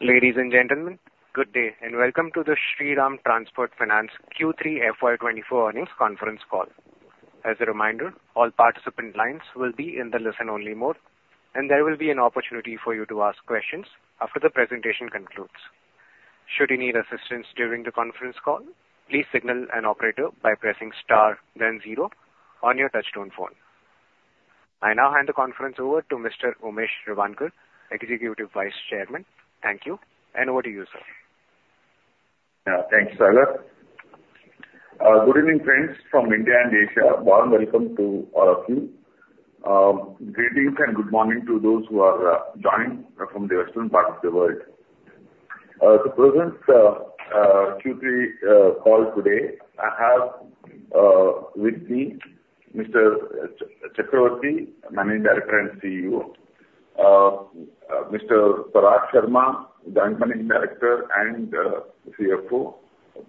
Ladies and gentlemen, good day, and welcome to the Shriram Transport Finance Q3 FY 2024 earnings conference call. As a reminder, all participant lines will be in the listen-only mode, and there will be an opportunity for you to ask questions after the presentation concludes. Should you need assistance during the conference call, please signal an operator by pressing star then zero on your touchtone phone. I now hand the conference over to Mr. Umesh Revankar, Executive Vice Chairman. Thank you, and over to you, sir. Yeah, thanks, Sahil. Good evening, friends from India and Asia. Warm welcome to all of you. Greetings and good morning to those who are joining from the western part of the world. To present Q3 call today, I have with me Mr. Chakravarti, Managing Director and CEO, Mr. Parag Sharma, the Managing Director and CFO,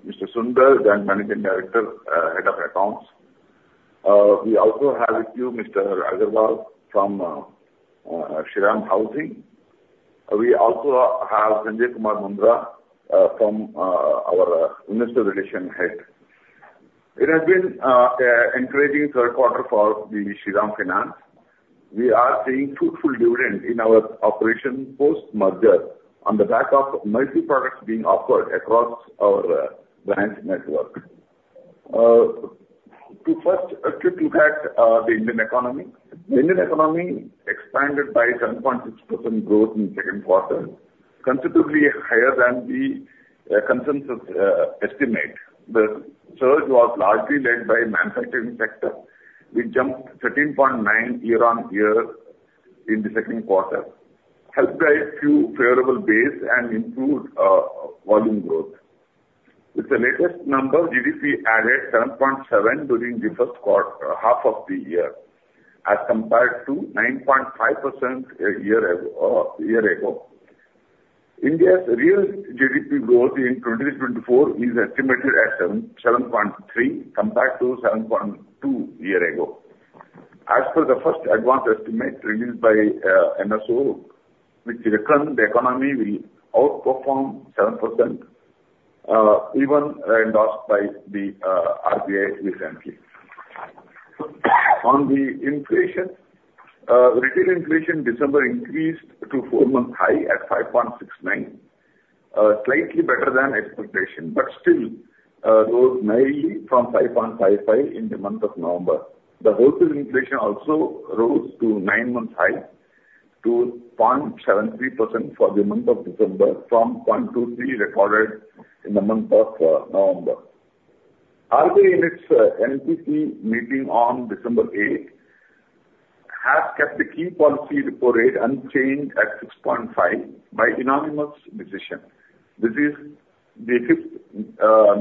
Mr. Sunder, the Managing Director, Head of Accounts. We also have with you Mr. Agarwal from Shriram Housing. We also have Sanjay Kumar Mundra from our investor relations head. It has been a encouraging third quarter for the Shriram Finance. We are seeing fruitful dividend in our operation post-merger on the back of multi-products being offered across our branch network. To first quick look at the Indian economy. The Indian economy expanded by 7.6% growth in the second quarter, considerably higher than the consensus estimate. The surge was largely led by manufacturing sector, which jumped 13.9 year-on-year in the second quarter, helped by few favorable base and improved volume growth. With the latest number, GDP added 7.7 during the first half of the year, as compared to 9.5% a year ago. India's real GDP growth in 2024 is estimated at 7.3, compared to 7.2 year ago. As per the first Advance estimate released by MoSPI, which reckoned the economy will outperform 7%, even endorsed by the RBI recently. On the inflation, retail inflation December increased to four-month high at 5.69. Slightly better than expectation, but still, rose mainly from 5.55 in the month of November. The wholesale inflation also rose to nine-month high, to 0.73% for the month of December, from 0.23 recorded in the month of November. RBI, in its MPC meeting on December 8, has kept the key policy repo rate unchanged at 6.5 by unanimous decision. This is the fifth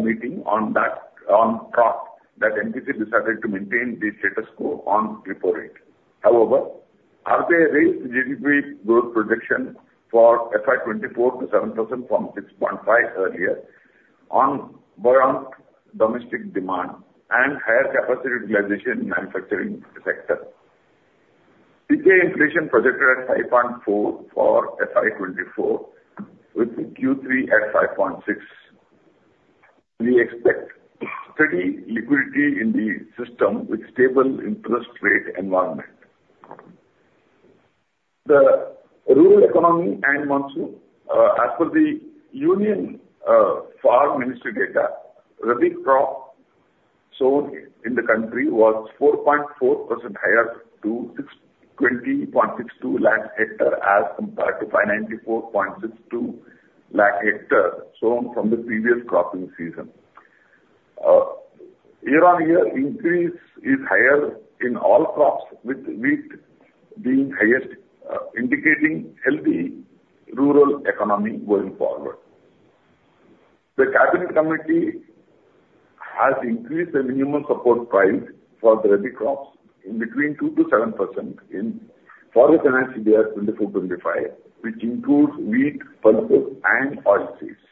meeting on that, on track, that MPC decided to maintain the status quo on repo rate. However, RBI raised GDP growth projection for FY 2024 to 7% from 6.5 earlier, on buoyant domestic demand and higher capacity utilization in manufacturing sector. CPI inflation projected at 5.4 for FY 2024, with Q3 at 5.6. We expect steady liquidity in the system with stable interest rate environment. The rural economy and monsoon. As per the Union Farm Ministry data, Rabi crop sown in the country was 4.4% higher to 620.62 lakh hectares, as compared to 96.2 lakh hectares, sown from the previous cropping season. Year-on-year increase is higher in all crops, with wheat being highest, indicating healthy rural economy going forward. The Cabinet Committee has increased the minimum support price for the Rabi crops in between 2%-7% for the financial year 2024-2025, which includes wheat, pulses and oilseeds.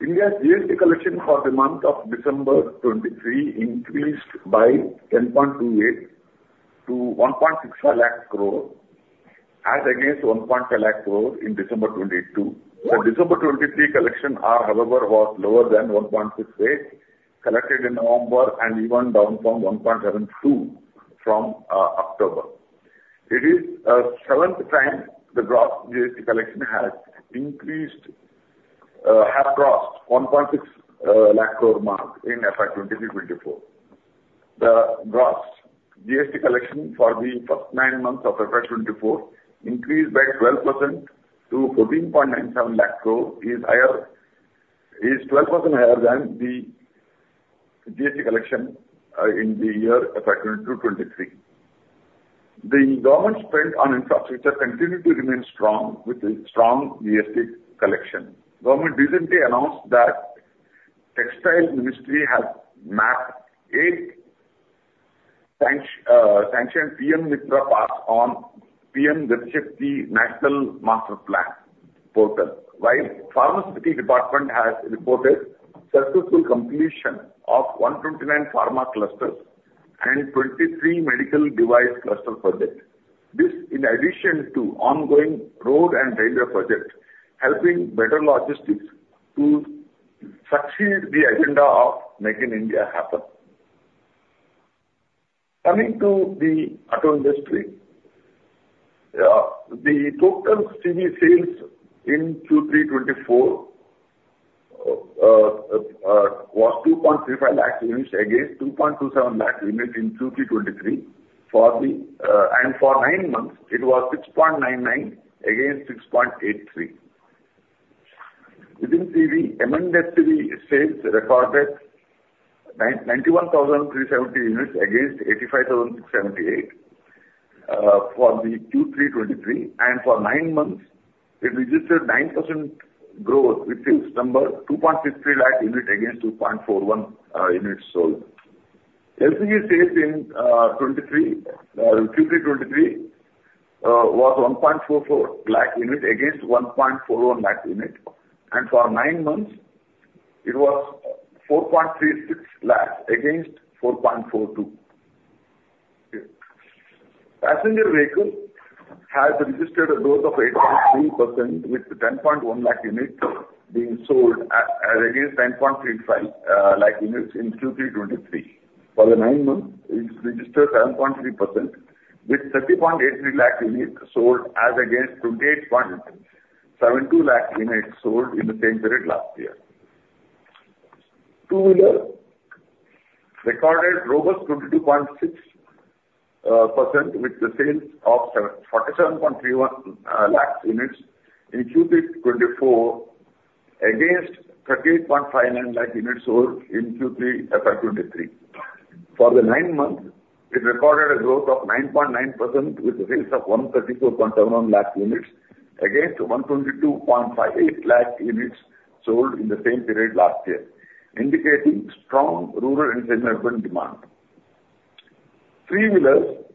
India's GST collection for the month of December 2023 increased by 10.28% to 160,000 crore as against 150,000 crore in December 2022. The December 2023 collection, however, was lower than 1.68 collected in November and even down from 1.72 from October. It is seventh time the gross GST collection has increased have crossed 1.6 lakh crore mark in FY 2023-24. The gross GST collection for the first nine months of FY 2024 increased by 12% to 14.97 lakh crore, is higher- is 12% higher than the GST collection in the year FY 2022-23. The government spend on infrastructure continued to remain strong, with the strong GST collection. Government recently announced that textile ministry has mapped eight sanction sanctioned PM MITRA Parks on PM GatiShakti National Master Plan portal, while pharmaceutical department has reported successful completion of 129 pharma clusters and 23 medical device cluster project. This in addition to ongoing road and railway project, helping better logistics to succeed the agenda of Make in India happen. Coming to the auto industry, the total CV sales in Q3 2024 was 2.35 lakh units against 2.27 lakh units in Q3 2023. For the, and for nine months, it was 6.99 against 6.83. Within CV, M&HCV sales recorded 991,370 units against 85,678 for the Q3 2023, and for nine months it registered 9% growth with sales number 2.60 lakh unit against 2.41 units sold. LCV sales in 2023, Q3 2023, was 1.44 lakh units against 1.41 lakh units, and for nine months it was 4.36 lakh against 4.42. Passenger vehicle has registered a growth of 8.3% with 10.1 lakh units being sold against 10.35 lakh units in Q3 2023. For the nine months, it registered 7.3% with 30.83 lakh units sold as against 28.72 lakh units sold in the same period last year. Two-wheeler recorded robust 22.6% with the sales of 47.31 lakh units in Q3 2024, against 38.59 lakh units sold in Q3 FY 2023. For the nine months, it recorded a growth of 9.9% with sales of 134.71 lakh units against 122.58 lakh units sold in the same period last year, indicating strong rural and urban demand. Three-wheelers,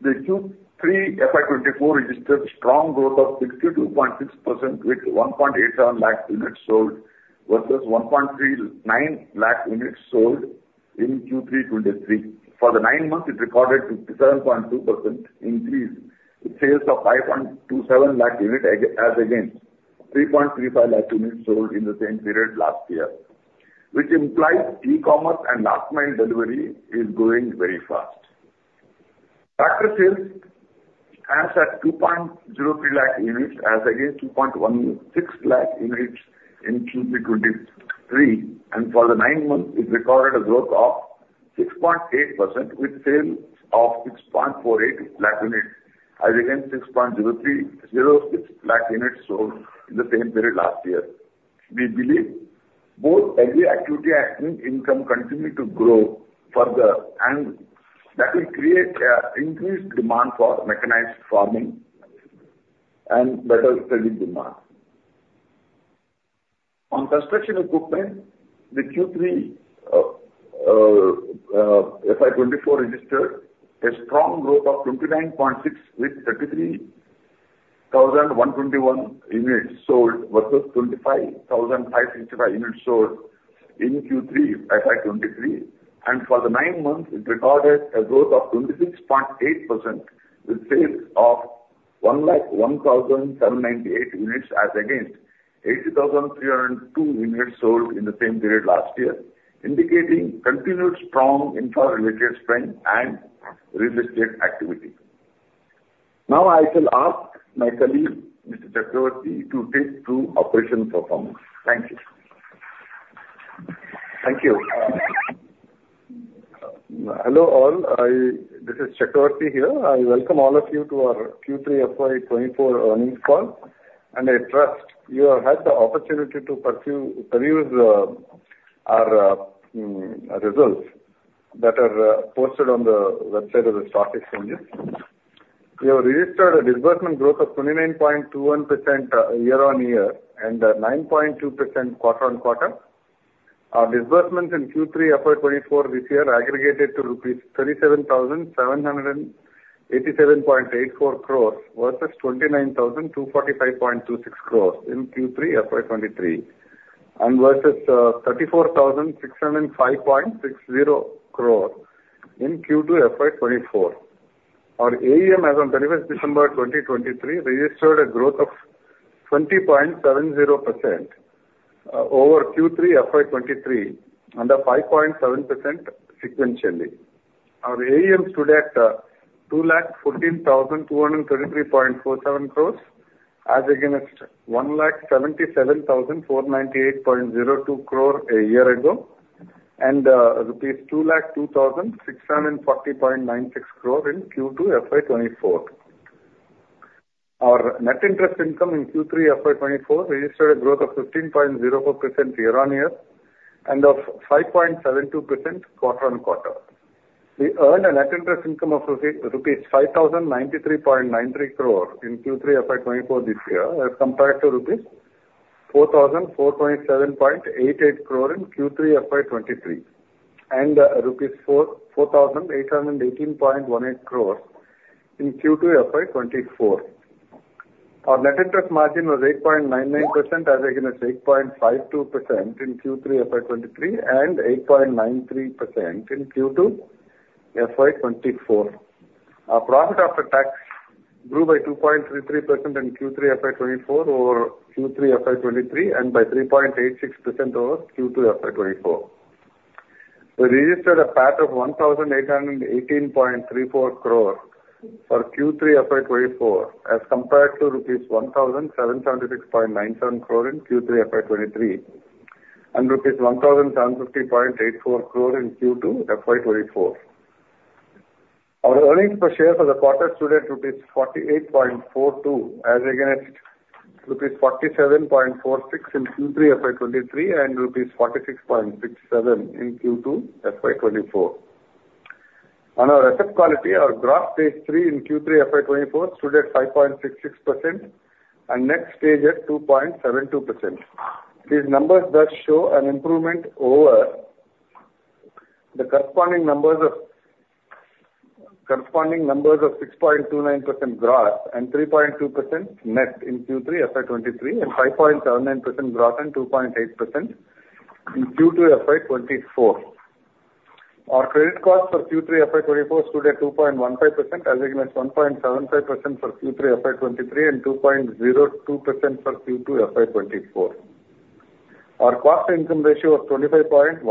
the Q3 FY 2024 registered strong growth of 62.6% with 1.87 lakh units sold versus 1.39 lakh units sold in Q3 2023. For the nine months, it recorded 57.2% increase, with sales of 5.27 lakh units as against 3.35 lakh units sold in the same period last year, which implies e-commerce and last mile delivery is growing very fast. Tractor sales as at 2.03 lakh units as against 2.16 lakh units in Q3 2023, and for the nine months, it recorded a growth of 6.8% with sales of 6.48 lakh units as against 6.0306 lakh units sold in the same period last year. We believe both agri activity and income continue to grow further, and that will create, increased demand for mechanized farming and better selling demand. On construction equipment, the Q3, FY 2024 registered a strong growth of 29.6% with 33,121 units sold versus 25,565 units sold in Q3 FY 2023. For the nine months, it recorded a growth of 26.8% with sales of 101,798 units, as against 80,302 units sold in the same period last year, indicating continued strong infra-related spend and real estate activity. Now, I shall ask my colleague, Mr. Chakravarti, to take through operational performance. Thank you. Thank you. Hello, all. This is Chakravarti here. I welcome all of you to our Q3 FY 2024 earnings call, and I trust you have had the opportunity to pursue, peruse, our results that are posted on the website of the stock exchange. We have registered a disbursement growth of 29.21%, year-on-year, and 9.2% quarter-on-quarter. Our disbursements in Q3 FY 2024 this year aggregated to rupees 37,787.84 crore, versus 29,245.26 crore in Q3 FY 2023, and versus 34,605.60 crore in Q2 FY 2024. Our AUM as on thirty-first December 2023 registered a growth of 20.70% over Q3 FY 2023, and of 5.7% sequentially. Our AUM stood at 214,233.47 crore, as against 177,498.02 crore a year ago, and rupees 202,640.96 crore in Q2 FY 2024. Our net interest income in Q3 FY 2024 registered a growth of 15.04% year-on-year and of 5.72% quarter-on-quarter. We earned a net interest income of rupees 5,093.93 crore in Q3 FY 2024 this year, as compared to rupees 4,447.88 crore in Q3 FY 2023, and rupees 4,481.18 crore in Q2 FY 2024. Our net interest margin was 8.99% as against 8.52% in Q3 FY 2023, and 8.93% in Q2 FY 2024. Our profit after tax grew by 2.33% in Q3 FY 2024 over Q3 FY 2023, and by 3.86% over Q2 FY 2024. We registered a PAT of 1,818.34 crore for Q3 FY 2024 as compared to INR 1,776.97 crore in Q3 FY 2023, and INR 1,750.84 crore in Q2 FY 2024. Our earnings per share for the quarter stood at INR 48.42, as against INR 47.46 in Q3 FY 2023, and rupees 46.67 in Q2 FY 2024. On our asset quality, our Gross Stage 3 in Q3 FY 2024 stood at 5.66% and Net Stage 3 at 2.72%. These numbers does show an improvement over the corresponding numbers of, corresponding numbers of 6.29% gross and 3.2% net in Q3 FY 2023, and 5.79% gross and 2.8% in Q2 FY 2024. Our credit cost for Q3 FY 2024 stood at 2.15% as against 1.75% for Q3 FY 2023, and 2.02% for Q2 FY 2024. Our cost income ratio was 25.14%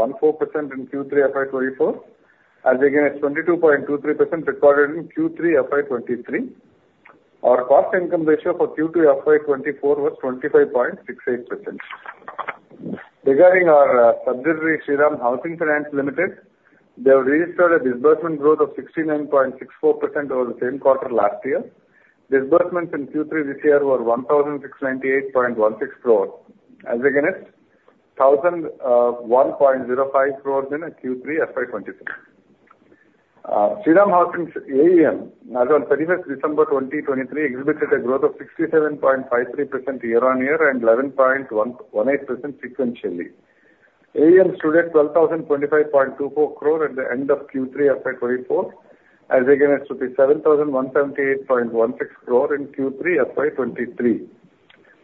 in Q3 FY 2024, as against 22.23% recorded in Q3 FY 2023. Our cost income ratio for Q2 FY 2024 was 25.68%. Regarding our subsidiary, Shriram Housing Finance Limited, they have registered a disbursement growth of 69.64% over the same quarter last year. Disbursement in Q3 this year were 1,698.16 crore, as against 1,001.05 crores in Q3 FY 2023. Shriram Housing AUM, as on thirty-first December 2023, exhibited a growth of 67.53% year-on-year, and 11.18% sequentially. AUM stood at INR 12,025.24 crore at the end of Q3 FY 2024, as against INR 7,178.16 crore in Q3 FY 2023,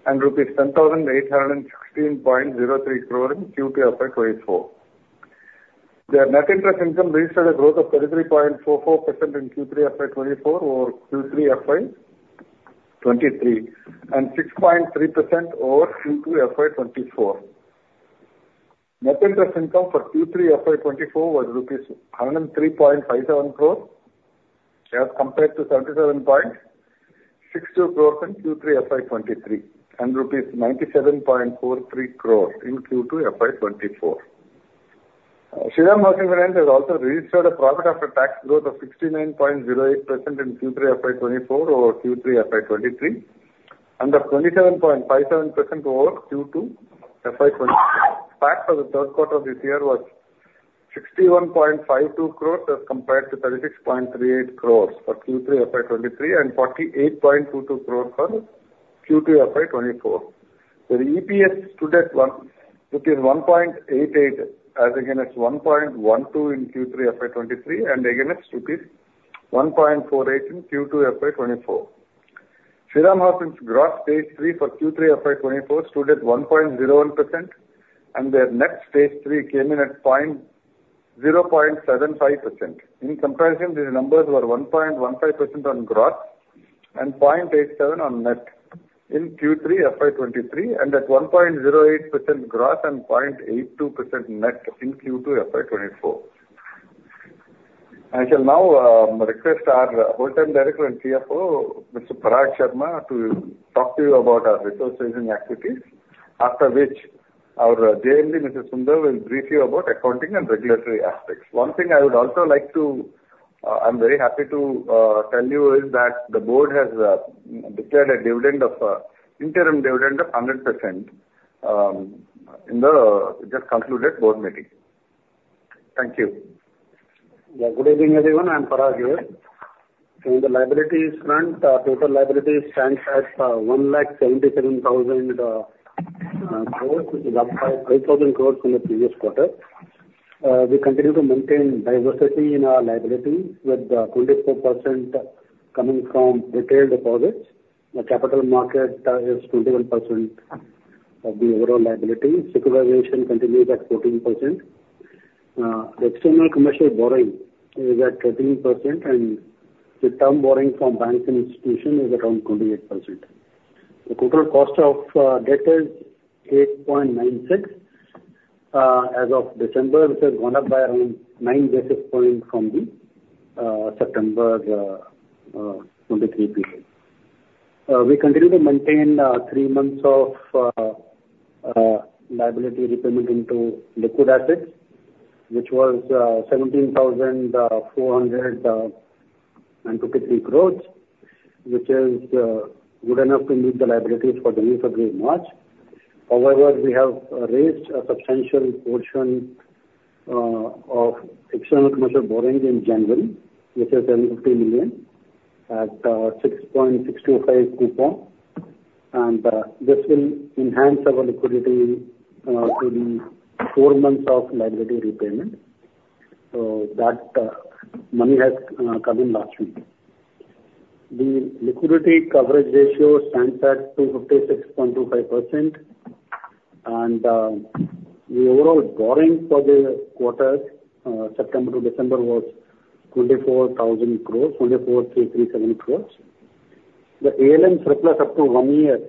and INR 10,816.03 crore in Q2 FY 2024. Their net interest income registered a growth of 33.44% in Q3 FY 2024 over Q3 FY 2023, and 6.3% over Q2 FY 2024. Net interest income for Q3 FY 2024 was INR 103.57 crores, as compared to INR 77.62 crores in Q3 FY 2023, and INR 97.43 crores in Q2 FY 2024. Shriram Housing Finance has also registered a profit after tax growth of 69.08% in Q3 FY 2024 over Q3 FY 2023, and of 27.57% over Q2 FY 2023. PAT for the third quarter this year was 61.52 crores, as compared to 36.38 crores for Q3 FY 2023, and 48.22 crores for Q2 FY 2024. The EPS stood at 1.88, as against 1.12 in Q3 FY 2023, and against 1.48 in Q2 FY 2024. Shriram Housing's Gross Stage 3 for Q3 FY 2024 stood at 1.01%, and their Net Stage 3 came in at 0.075%. In comparison, these numbers were 1.15% on gross and 0.87% on net in Q3 FY 2023, and at 1.08% gross and 0.82% net in Q2 FY 2024. I shall now request our full-time director and CFO, Mr. Parag Sharma, to talk to you about our resource raising activities, after which our JMD, Mr. Sunder, will brief you about accounting and regulatory aspects. One thing I would also like to, I'm very happy to tell you is that the board has declared a dividend of interim dividend of 100% in the just concluded board meeting. Thank you. Yeah. Good evening, everyone. I'm Parag here. In the liabilities front, our total liabilities stands at 177,000 crore, which is up by INR 5,000 crore from the previous quarter. We continue to maintain diversity in our liability with 24% coming from retail deposits. The capital market is 21% of the overall liability. Supervision continues at 14%. The external commercial borrowing is at 13%, and the term borrowing from banks and institution is around 28%. The total cost of debt is 8.96% as of December, which has gone up by around nine basis points from the September 2023 period. We continue to maintain three months of liability repayment into liquid assets, which was 17,400 crore, which is good enough to meet the liabilities for January, February, March. However, we have raised a substantial portion of external commercial borrowings in January, which is 1,050 million. at 6.625 coupon, and this will enhance our liquidity to the four months of liability repayment. So that money has come in last week. The liquidity coverage ratio stands at 256.25%, and the overall borrowing for the quarter, September to December, was 24,000 crore, only 4,337 crore. The ALM surplus up to one year,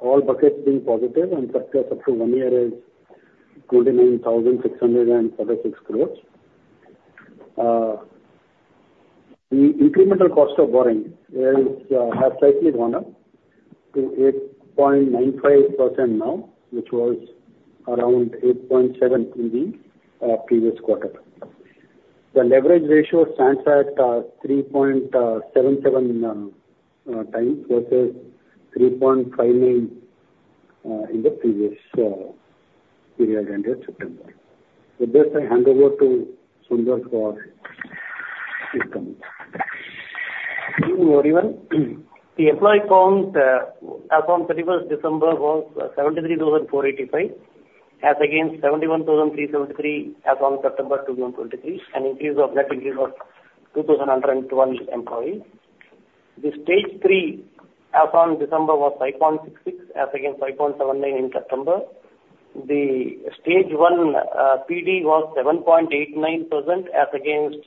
all buckets being positive and surplus up to one year is 29,636 crore. The incremental cost of borrowing is, has slightly gone up to 8.95% now, which was around 8.7% in the previous quarter. The leverage ratio stands at 3.77 times versus 3.59 in the previous period, end of September. With this, I hand over to Sunder for his comments. Thank you, Parag. The employee count, as on 31st December, was 73,485, as against 71,373 as on September 2023, an increase of net increase of 2,121 employees. The Stage 3, as on December, was 5.66, as against 5.79 in September. The Stage 1 PD was 7.89% as against,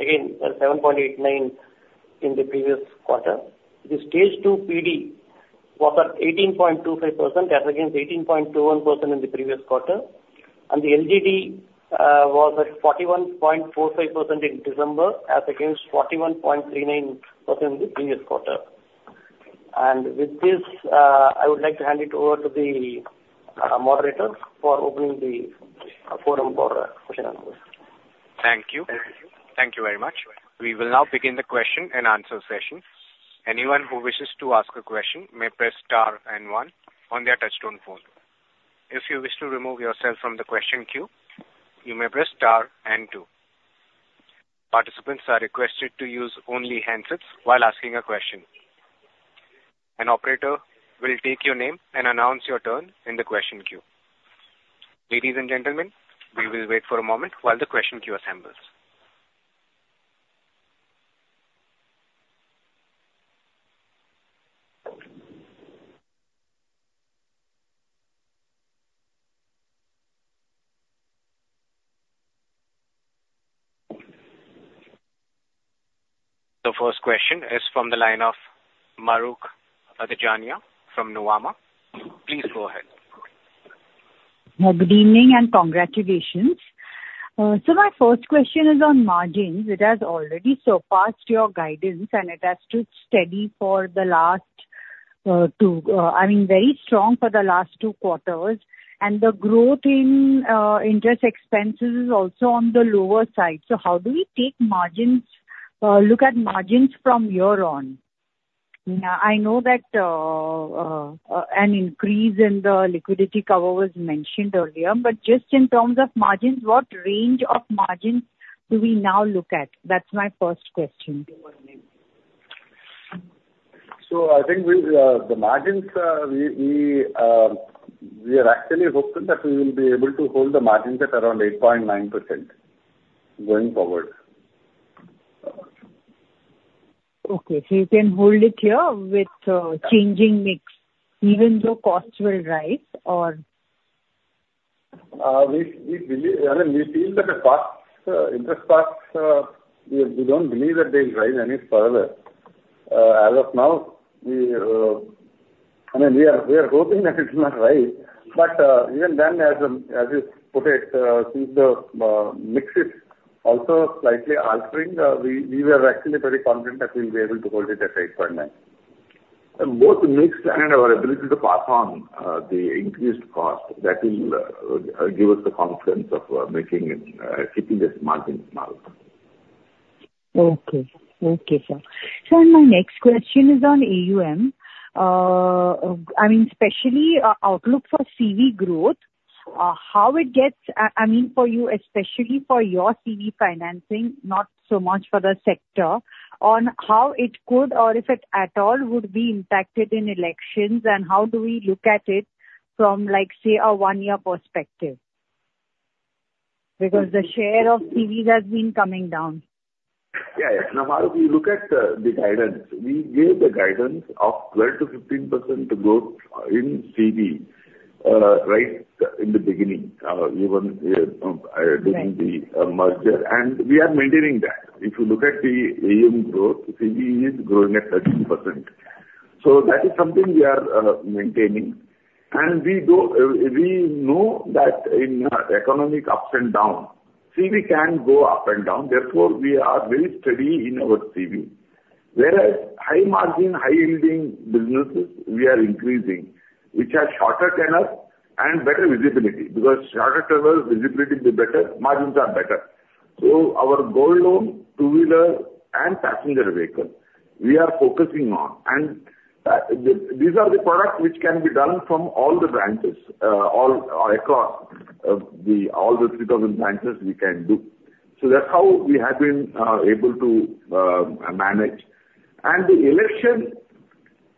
again, 7.89% in the previous quarter. The Stage 2 PD was at 18.25%, as against 18.21% in the previous quarter, and the LGD was at 41.45% in December, as against 41.39% in the previous quarter. With this, I would like to hand it over to the moderator for opening the forum for question and answers. Thank you. Thank you very much. We will now begin the question and answer session. Anyone who wishes to ask a question may press star and one on their touchtone phone. If you wish to remove yourself from the question queue, you may press star and two. Participants are requested to use only handsets while asking a question. An operator will take your name and announce your turn in the question queue. Ladies and gentlemen, we will wait for a moment while the question queue assembles. The first question is from the line of Mahrukh Adajania from Nuvama. Please go ahead. Good evening, and congratulations. So my first question is on margins. It has already surpassed your guidance, and it has stood steady for the last two, I mean, very strong for the last two quarters, and the growth in interest expenses is also on the lower side. So how do we take margins, look at margins from here on? Now, I know that an increase in the liquidity cover was mentioned earlier, but just in terms of margins, what range of margins do we now look at? That's my first question. So I think the margins, we are actually hoping that we will be able to hold the margins at around 8.9% going forward. Okay. So you can hold it here with changing mix, even though costs will rise, or? We believe and we feel that the costs, interest costs, we don't believe that they will rise any further. As of now, I mean, we are hoping that it will not rise, but even then, as you put it, since the mix is also slightly altering, we are actually very confident that we will be able to hold it at 8.9. And both mix and our ability to pass on the increased cost, that will give us the confidence of making and keeping this margin now. Okay. Okay, sir. So my next question is on AUM. I mean, especially, outlook for CV growth, how it gets, I mean, for you, especially for your CV financing, not so much for the sector, on how it could or if it at all would be impacted in elections, and how do we look at it from, like, say, a one-year perspective? Because the share of CV has been coming down. Yeah. Now, if you look at the guidance, we gave the guidance of 12%-15% growth in CV, right in the beginning, even during the merger, and we are maintaining that. If you look at the AUM growth, CV is growing at 13%. So that is something we are maintaining, and we know that in economic ups and downs, CV can go up and down. Therefore, we are very steady in our CV. Whereas high margin, high-yielding businesses, we are increasing, which has shorter tenure and better visibility, because shorter tenure, visibility is better, margins are better. So our gold loan, two-wheeler and passenger vehicles, we are focusing on. And these are the products which can be done from all the branches, all across all the 3,000 branches we can do. So that's how we have been able to manage. And it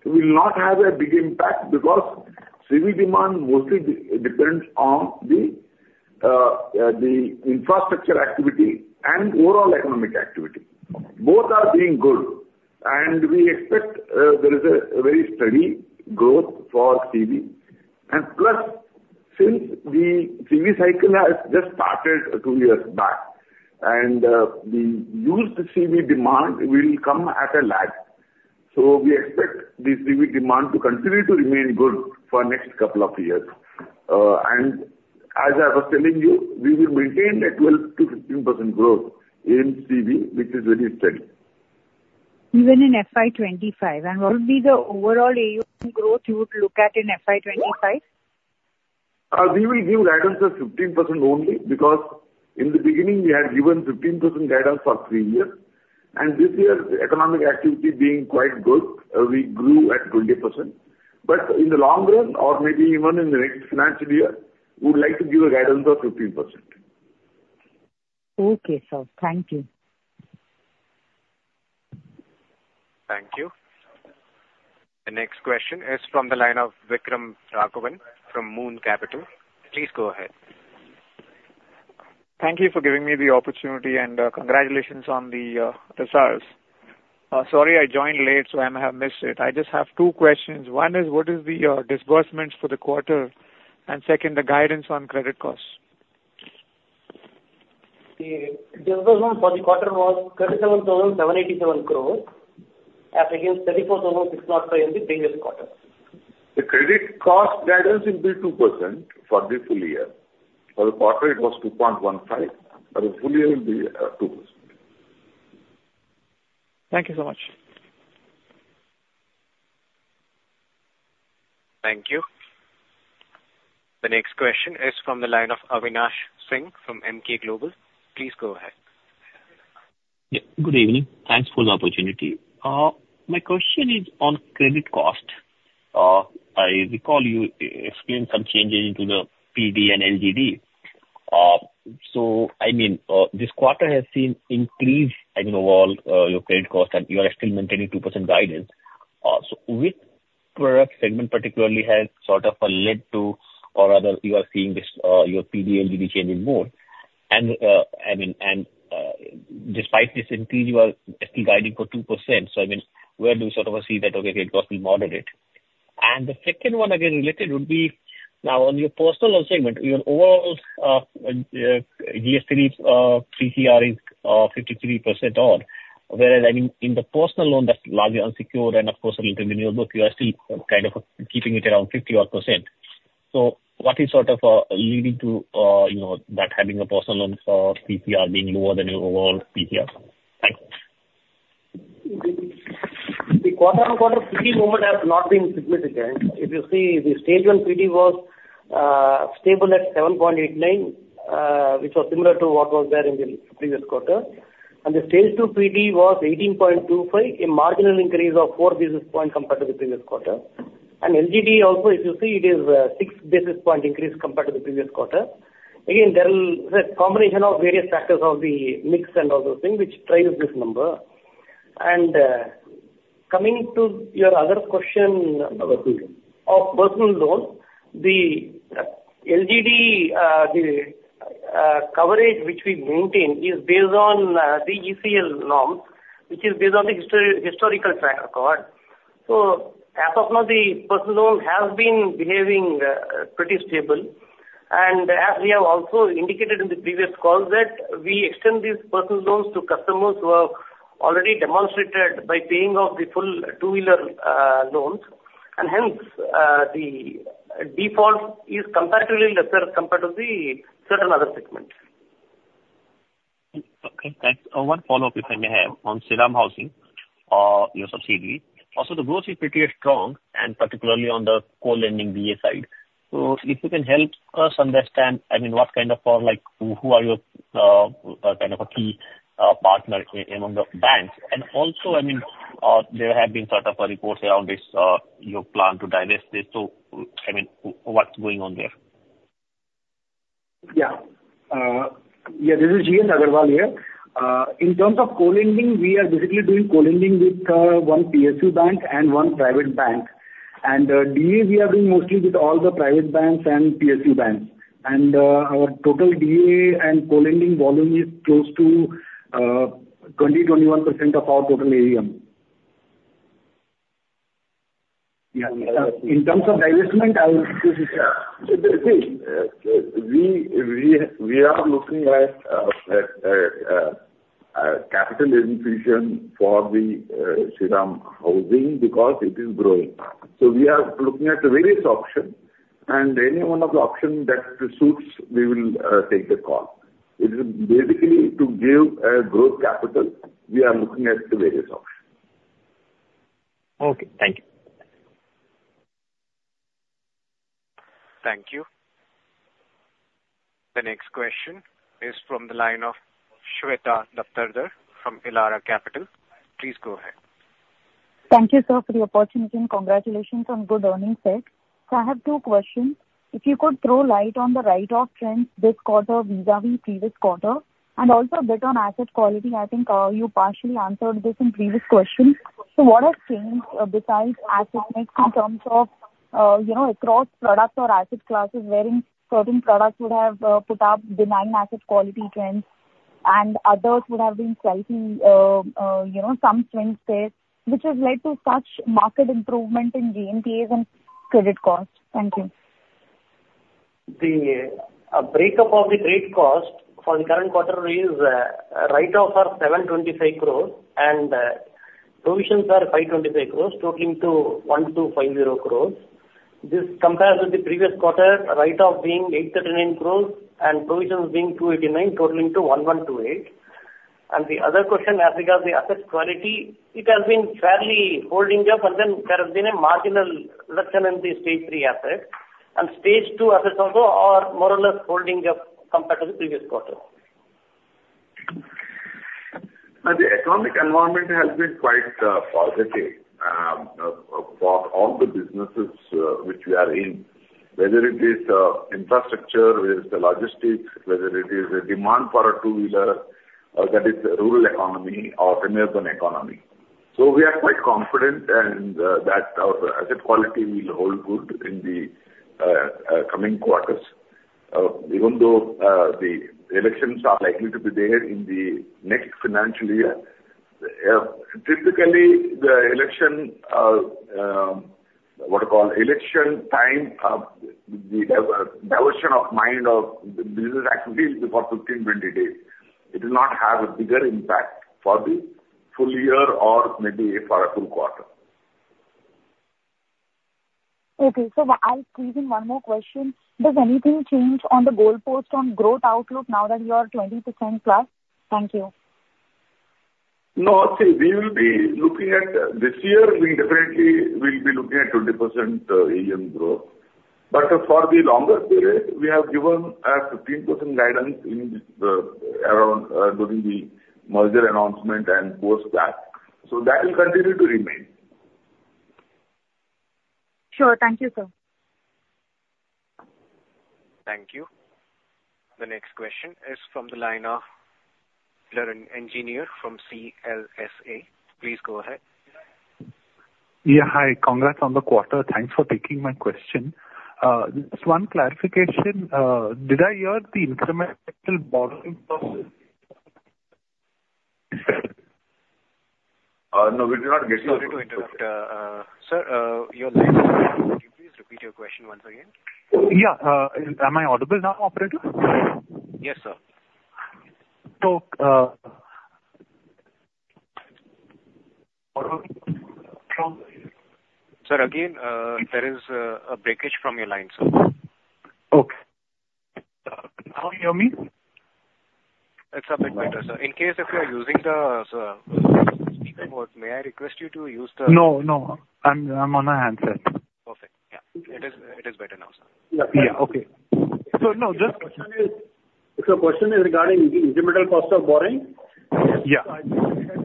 will not have a big impact because CV demand mostly depends on the infrastructure activity and overall economic activity. Both are being good, and we expect there is a very steady growth for CV. And plus, since the CV cycle has just started two years back, and the used CV demand will come at a lag. So we expect the CV demand to continue to remain good for next couple of years. And as I was telling you, we will maintain a 12%-15% growth in CV, which is very steady. Even in FY 25, and what would be the overall AUM growth you would look at in FY 25? We will give guidance as 15% only, because in the beginning, we had given 15% guidance for three years, and this year, economic activity being quite good, we grew at 20%. But in the long run, or maybe even in the next financial year, we would like to give a guidance of 15%. Okay, sir. Thank you. Thank you. The next question is from the line of Vikram Raghavan from Moon Capital. Please go ahead. Thank you for giving me the opportunity, and congratulations on the results. Sorry, I joined late, so I might have missed it. I just have two questions. One is, what is the disbursements for the quarter? And second, the guidance on credit costs. The disbursement for the quarter was 37,787 crore, as against 34,605 crore in the previous quarter. The credit cost guidance will be 2% for the full year. For the quarter, it was 2.15%, but the full year will be 2%. Thank you so much. Thank you. The next question is from the line of Avinash Singh from Emkay Global. Please go ahead. Yeah, good evening. Thanks for the opportunity. My question is on credit cost. I recall you explained some changes into the PD and LGD. So I mean, this quarter has seen increased, I mean, overall, your credit cost, and you are still maintaining 2% guidance. So which product segment particularly has sort of led to or rather you are seeing this, your PD and LGD changing more? And I mean, despite this increase, you are still guiding for 2%. So I mean, where do you sort of see that, okay, credit cost will moderate? The second one, again, related, would be now on your personal loan segment, your overall GS3 PCR is 53% odd, whereas, I mean, in the personal loan, that's largely unsecured, and of course, in the new book, you are still kind of keeping it around 50 odd percent. So what is sort of leading to, you know, that having a personal loan for PCR being lower than your overall PCR? Thanks. The quarter on quarter PCR movement has not been significant. If you see, the Stage One PD was stable at 7.89, which was similar to what was there in the previous quarter. And the Stage Two PD was 18.25, a marginal increase of 4 basis points compared to the previous quarter. And LGD also, if you see, it is 6 basis point increase compared to the previous quarter. Again, there is a combination of various factors of the mix and all those things which drives this number. And, coming to your other question- Of personal. Of personal loans, the LGD, the coverage which we maintain is based on the ECL norms, which is based on the historical track record. So as of now, the personal loan has been behaving pretty stable. And as we have also indicated in the previous calls, that we extend these personal loans to customers who have already demonstrated by paying off the full two-wheeler loans, and hence the default is comparatively lesser compared to the certain other segments. Okay, thanks. One follow-up, if I may have, on Shriram Housing, your subsidiary. Also, the growth is pretty strong, and particularly on the co-lending DA side. So if you can help us understand, I mean, what kind of, like, who are your, kind of a key partner among the banks? And also, I mean, there have been sort of a report around this, your plan to divest this. So, I mean, what's going on there? Yeah. Yeah, this is G.S. Agarwal here. In terms of co-lending, we are basically doing co-lending with one PSU bank and one private bank. DA we are doing mostly with all the private banks and PSU banks. Our total DA and co-lending volume is close to 20-21% of our total AUM. Yeah. In terms of divestment, we are looking at capital infusion for the Shriram Housing because it is growing. We are looking at various options, and any one of the option that suits, we will take a call. It is basically to give growth capital, we are looking at the various options. Okay. Thank you. Thank you. The next question is from the line of Shweta Datar from Elara Capital. Please go ahead. Thank you, sir, for the opportunity, and congratulations on good earnings day... So I have two questions. If you could throw light on the write-off trend this quarter vis-a-vis previous quarter, and also a bit on asset quality. I think, you partially answered this in previous questions. So what has changed, besides asset mix in terms of, you know, across products or asset classes, wherein certain products would have put up benign asset quality trends and others would have been slightly, you know, some strength there, which has led to such market improvement in GNPA and credit costs? Thank you. The break-up of the credit cost for the current quarter is a write-off of 725 crore and provisions are 525 crore, totaling to 1,250 crore. This compared with the previous quarter, write-off being 839 crore and provisions being 289 crore, totaling to 1,128 crore. The other question as regards the asset quality, it has been fairly holding up, and then there have been a marginal reduction in the Stage Three assets, and Stage Two assets also are more or less holding up compared to the previous quarter. The economic environment has been quite positive for all the businesses which we are in, whether it is infrastructure, whether it's the logistics, whether it is a demand for a two-wheeler that is the rural economy or the urban economy. So we are quite confident and that our asset quality will hold good in the coming quarters. Even though the elections are likely to be there in the next financial year, typically the election what you call election time we have a diversion of mind of the business activity for 15, 20 days. It will not have a bigger impact for the full year or maybe for a full quarter. Okay, so I'll squeeze in one more question. Does anything change on the goalpost on growth outlook now that you are 20%+? Thank you. No. See, we will be looking at, this year we definitely will be looking at 20% AUM growth. But for the longer period, we have given a 15% guidance in this, around, during the merger announcement and post that, so that will continue to remain. Sure. Thank you, sir. Thank you. The next question is from the line of Piran Engineer from CLSA. Please go ahead. Yeah, hi. Congrats on the quarter. Thanks for taking my question. Just one clarification. Did I hear the incremental borrowing cost? No, we did not get you. Sorry to interrupt. Sir, your line has broken. Could you please repeat your question once again? Yeah. Am I audible now, operator? Yes, sir. So, from- Sir, again, there is a breakage from your line, sir. Okay. Now you hear me? It's a bit better, sir. In case if you are using the speakerphone, may I request you to use the- No, no, I'm on a handset. Perfect. Yeah, it is, it is better now, sir. Yeah. Yeah. Okay. So now the- If your question is, if your question is regarding the incremental cost of borrowing? Yeah.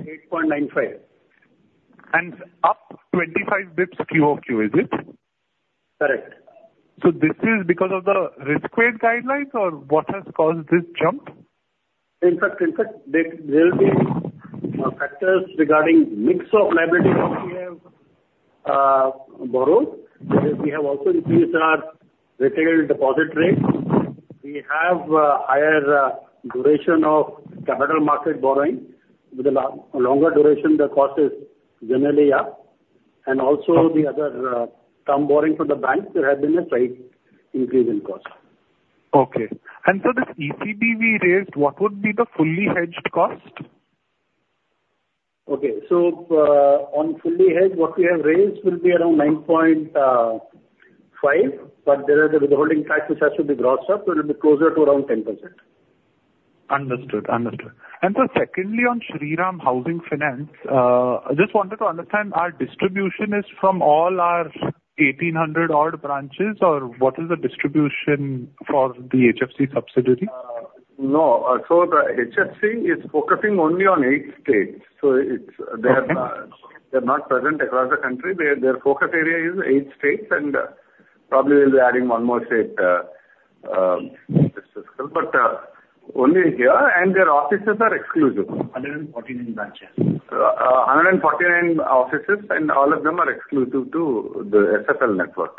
8.95. Up 25 basis points QOQ, is it? Correct. This is because of the risk weight guidelines or what has caused this jump? In fact, there will be factors regarding mix of liabilities we have borrowed. We have also increased our retail deposit rate. We have higher duration of capital market borrowing. With a longer duration, the cost is generally up. And also the other term borrowing from the bank, there has been a slight increase in cost. Okay. And so this ECB we raised, what would be the fully hedged cost? Okay. So, on fully hedged, what we have raised will be around 9.5, but there are the withholding taxes that has to be grossed up, so it'll be closer to around 10%. Understood. Understood. And so secondly, on Shriram Housing Finance, I just wanted to understand, our distribution is from all our 1,800-odd branches, or what is the distribution for the HFC subsidiary? No. So the HFC is focusing only on eight states, so it's- Okay. They are not present across the country. Their focus area is eight states, and probably we'll be adding one more state this fiscal. But only here, and their offices are exclusive. 149 branches. 149 offices, and all of them are exclusive to the SFL network.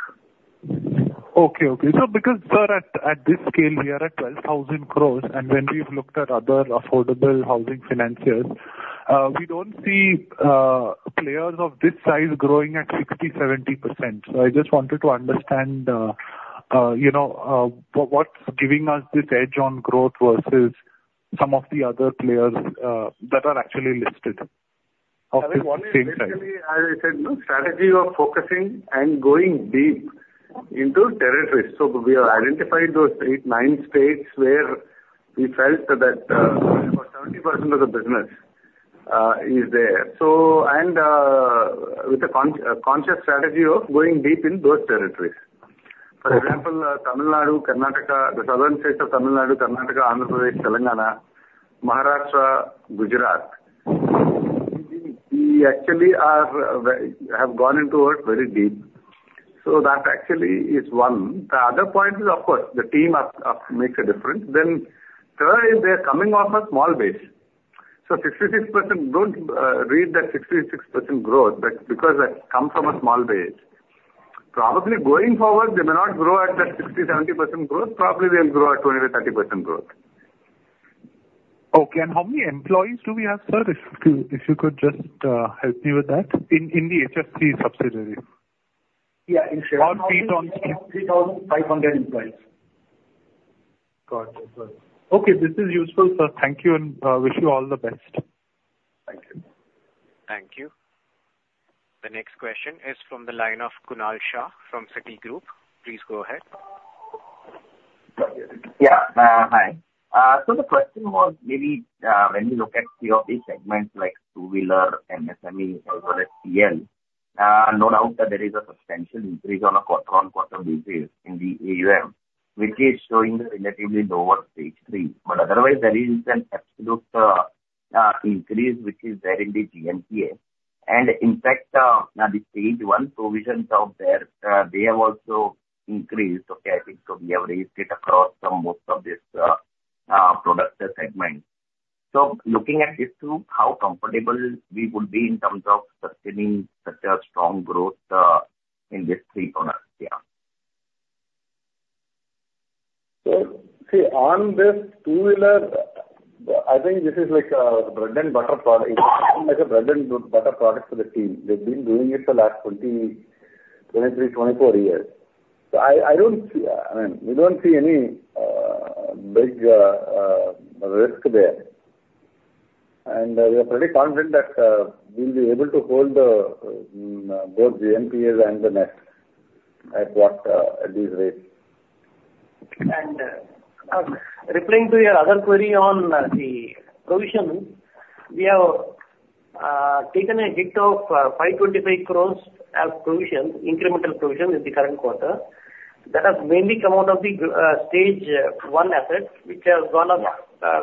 Okay, okay. So because, sir, at, at this scale, we are at 12,000 crore, and when we've looked at other affordable housing financiers, we don't see players of this size growing at 60%-70%. So I just wanted to understand, you know, what's giving us this edge on growth versus some of the other players that are actually listed of the same size? One is basically, as I said, no strategy of focusing and going deep into territories. So we have identified those eight, nine states where we felt that, about 70% of the business, is there. And with a conscious strategy of going deep in those territories. For example, Tamil Nadu, Karnataka, the southern states of Tamil Nadu, Karnataka, Andhra Pradesh, Telangana, Maharashtra, Gujarat. We actually are very, have gone into it very deep. So that actually is one. The other point is, of course, the team makes a difference. Then third, they are coming off a small base. So 66%, don't read that 66% growth, that's because that comes from a small base. Probably going forward, they may not grow at that 60, 70% growth. Probably they'll grow at 20%-30% growth. Okay. How many employees do we have, sir, if you could just help me with that? In the HFC subsidiary. Yeah, in- Or fees on- 3,500 employees. Got it. Well, okay, this is useful, sir. Thank you, and wish you all the best. Thank you. Thank you. The next question is from the line of Kunal Shah from Citigroup. Please go ahead. Yeah, hi. So the question was maybe, when you look at a few of these segments like two-wheeler, MSME as well as PL, no doubt that there is a substantial increase on a quarter-on-quarter basis in the AUM, which is showing the relatively lower Stage 3. But otherwise, there is an absolute increase which is there in the GNPA. And in fact, the Stage 1 provisions out there, they have also increased. Okay, I think so we have raised it across from most of this product segment. So looking at this too, how comfortable we would be in terms of sustaining such a strong growth in these three products? Yeah. So see, on this two-wheeler, I think this is like a bread and butter product, like a bread and butter product for the team. They've been doing it for the last 20, 23, 24 years. So I, I don't see, I mean, we don't see any big risk there. And we are pretty confident that we'll be able to hold the both GNPA and the net at what, at these rates. Replying to your other query on the provision, we have taken a hit of 525 crore as provision, incremental provision in the current quarter. That has mainly come out of the Stage 1 assets, which has gone up,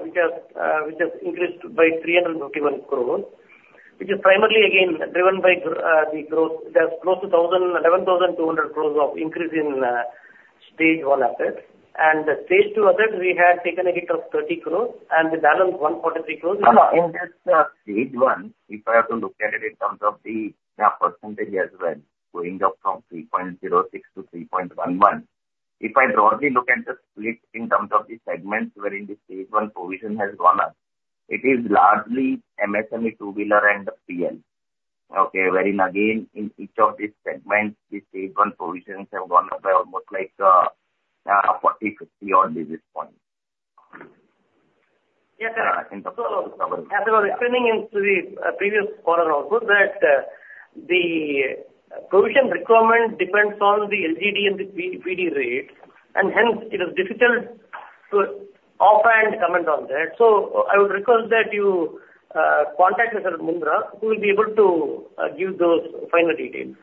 which has increased by 331 crore, which is primarily again driven by the growth. There's close to 11,200 crore of increase in Stage 1 assets. And the Stage 2 assets, we had taken a hit of 30 crore, and the balance, 143 crore- In this, stage one, if I have to look at it in terms of the, percentage as well, going up from 3.06% to 3.11%. If I broadly look at the split in terms of the segments wherein the stage one provision has gone up, it is largely MSME, two-wheeler and PL. Okay, wherein again, in each of these segments, the stage one provisions have gone up by almost like, 40, 50 on this point. Yes, sir. In terms of government- As I was referring into the previous quarter also, that the provision requirement depends on the LGD and the PD, PD rates, and hence, it is difficult to offhand comment on that. So I would request that you contact Mr. Mundra, who will be able to give those final details.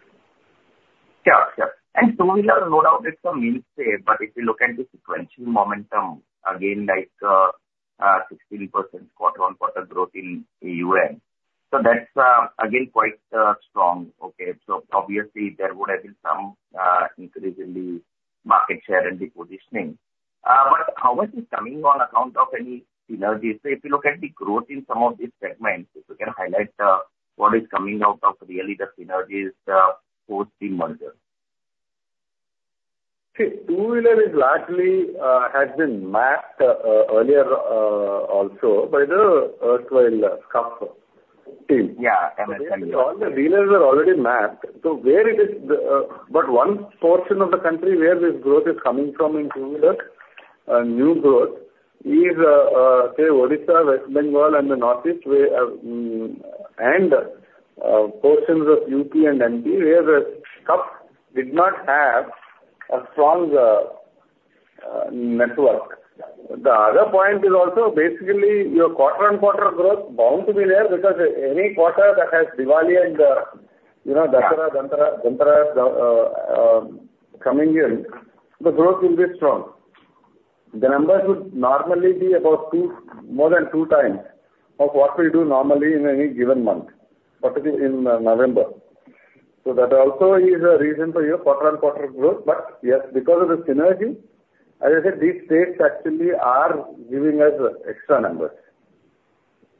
Sure, sure. And two-wheeler, no doubt, it's a mix there, but if you look at the sequential momentum, again, like, 16% quarter-on-quarter growth in AUM. So that's, again, quite strong. Okay. So obviously, there would have been some increase in the market share and the positioning. But how much is coming on account of any synergies? So if you look at the growth in some of these segments, if you can highlight what is coming out of really the synergies towards the merger. See, Two-wheeler is largely has been mapped earlier, also by the erstwhile SCUF team. Yeah, MSME. All the dealers are already mapped, so where it is the. But one portion of the country where this growth is coming from in two-wheeler new growth is say Odisha, West Bengal and the Northeast, where and portions of UP and MP, where the SCUF did not have a strong network. The other point is also basically your quarter-on-quarter growth bound to be there, because any quarter that has Diwali and you know Dussehra, Dhantera, Dhanteras coming in, the growth will be strong. The numbers would normally be about two, more than two times of what we do normally in any given month, particularly in November. So that also is a reason for your quarter-on-quarter growth. But yes, because of the synergy, as I said, these states actually are giving us extra numbers.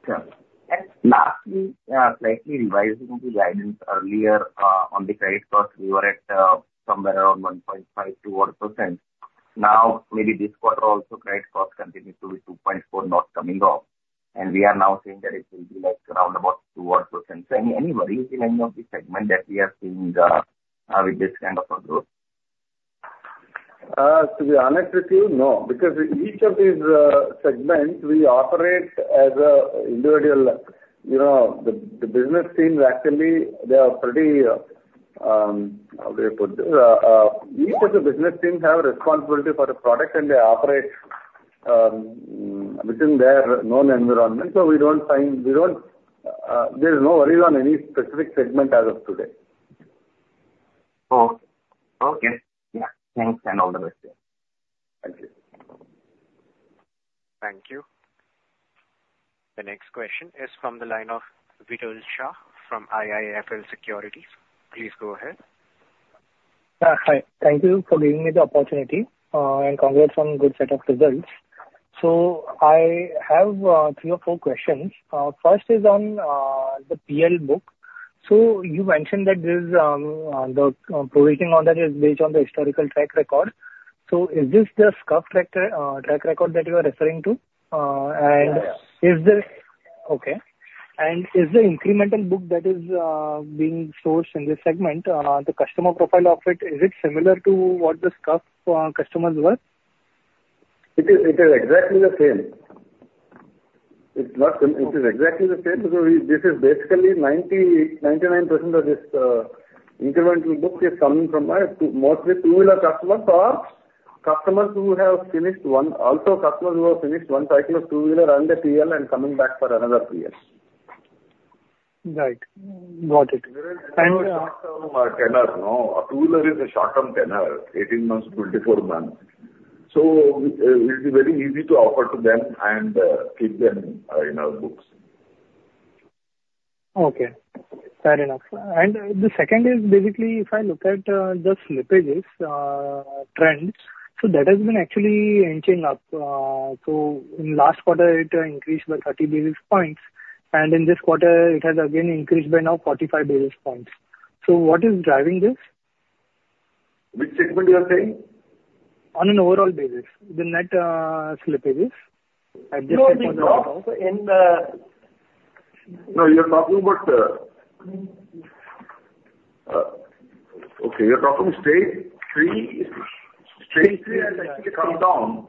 Sure. And lastly, slightly revising the guidance earlier, on the credit cost, we were at, somewhere around 1.5-2%. Now, maybe this quarter also, credit cost continues to be 2.4%, not coming down. And we are now seeing that it will be like around about 2%. So any worries in any of the segment that we are seeing with this kind of a growth? To be honest with you, no, because each of these segments we operate as a individual. You know, the business teams, actually, they are pretty, how do I put this? Each of the business teams have responsibility for the product, and they operate within their known environment. So we don't find- we don't... There's no worries on any specific segment as of today. Oh, okay. Yeah. Thanks, and all the best. Thank you. Thank you. The next question is from the line of Viral Shah from IIFL Securities. Please go ahead. Hi. Thank you for giving me the opportunity, and congrats on good set of results. So I have three or four questions. First is on the PL book. So you mentioned that this the provisioning on that is based on the historical track record. So is this the SCUF track record that you are referring to? And- Yeah. And is the incremental book that is being sourced in this segment, the customer profile of it, is it similar to what the SCUF customers were? It is, it is exactly the same. It is exactly the same, so this is basically 99% of this incremental book is coming from mostly two-wheeler customers or customers who have finished one. Also, customers who have finished one cycle of two-wheeler and a PL and coming back for another PL. Right. Got it. There is a short-term tenor, no? A two-wheeler is a short-term tenor, 18 months, 24 months. So it, it will be very easy to offer to them and keep them in our books. Okay, fair enough. The second is basically, if I look at the slippages trends, so that has been actually inching up. So in last quarter, it increased by 30 basis points, and in this quarter, it has again increased by now 45 basis points. So what is driving this? Which segment you are saying? On an overall basis, the net slippages. Adjustments on the- No, the drop in the... No, you're talking about, okay, you're talking Stage 3. Stage 3 has actually come down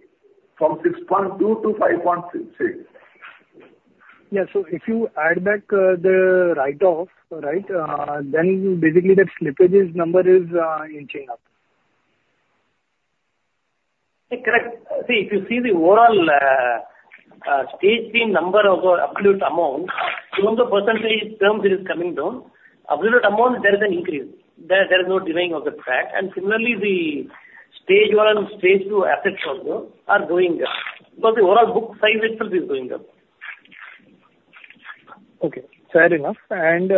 from 6.2 to 5.6. Yeah. So if you add back, the write-off, right, then basically, that slippages number is, inching up. Yeah, correct. See, if you see the overall Stage 3 number of absolute amount, even the percentage terms it is coming down, absolute amount, there is an increase. There is no denying of the fact. And similarly, the Stage 1 and Stage 2 assets also are going up, because the overall book size itself is going up. Okay, fair enough. And,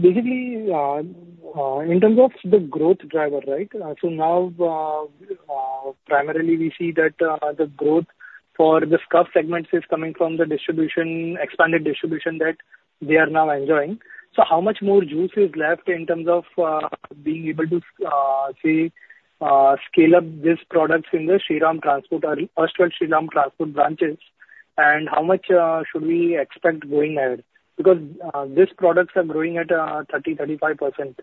basically, in terms of the growth driver, right? So now, primarily we see that the growth for the SCUF segments is coming from the distribution, expanded distribution that they are now enjoying. So how much more juice is left in terms of being able to say scale up these products in the Shriram Transport Finance erstwhile Shriram Transport branches, and how much should we expect growing there? Because these products are growing at 30%-35%.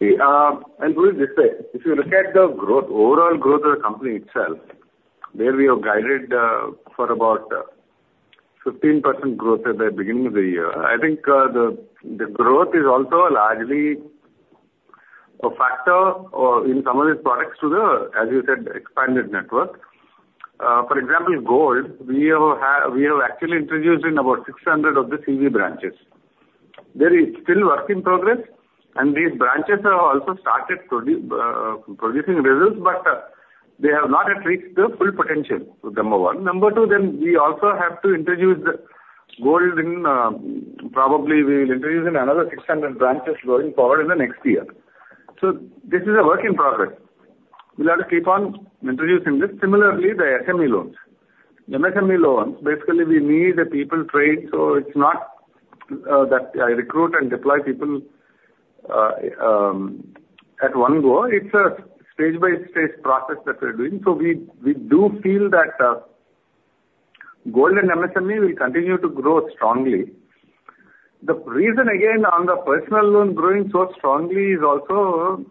Yeah, I'll put it this way. If you look at the growth, overall growth of the company itself, there we have guided for about 15% growth at the beginning of the year. I think, the growth is also largely a factor in some of these products to the, as you said, expanded network. For example, gold, we have actually introduced in about 600 of the CV branches. There is still work in progress, and these branches have also started producing results, but they have not yet reached their full potential, number one. Number two, then we also have to introduce the gold in, probably we'll introduce in another 600 branches going forward in the next year. So this is a work in progress. We'll have to keep on introducing this. Similarly, the SME loans. The SME loans, basically we need the people trained, so it's not that I recruit and deploy people at one go. It's a stage-by-stage process that we're doing, so we do feel that gold and MSME will continue to grow strongly. The reason, again, on the personal loan growing so strongly is also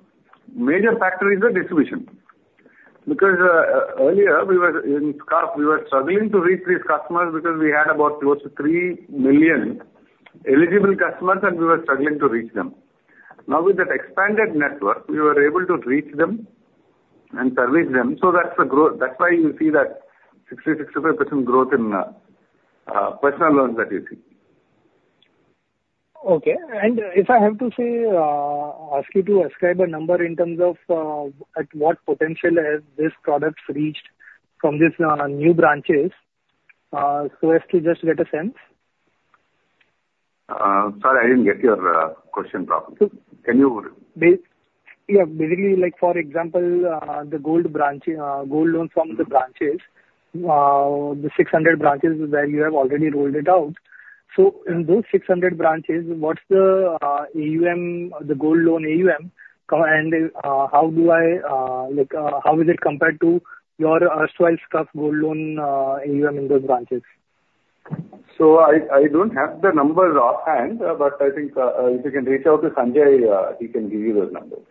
a major factor is the distribution. Because earlier we were, in SCUF, we were struggling to reach these customers because we had about close to 3 million eligible customers and we were struggling to reach them. Now, with that expanded network, we were able to reach them and service them, so that's the growth. That's why you see that 65% growth in personal loans that you see. Okay. If I have to say, ask you to ascribe a number in terms of, at what potential have these products reached from this, new branches, so as to just get a sense? Sorry, I didn't get your question properly. Can you- Yeah. Basically, like for example, the gold branch, gold loan from the branches, the 600 branches where you have already rolled it out. So in those 600 branches, what's the, AUM, the gold loan AUM, and, how do I, like, how is it compared to your, SCUF gold loan, AUM, in those branches? I don't have the numbers offhand, but I think if you can reach out to Sanjay, he can give you those numbers.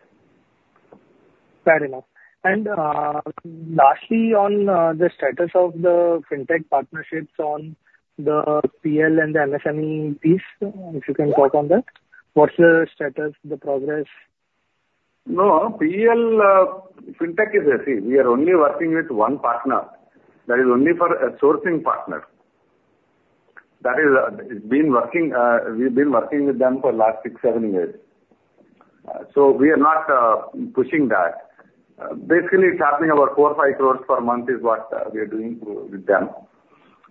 Fair enough. And, lastly, on the status of the FinTech partnerships on the PL and the MSME piece, if you can talk on that. What's the status, the progress? No, PL, FinTech is a... See, we are only working with one partner. That is only for a sourcing partner. That is, it's been working, we've been working with them for last six-seven years. So we are not pushing that. Basically, it's happening about 4-5 crore per month is what we are doing through with them.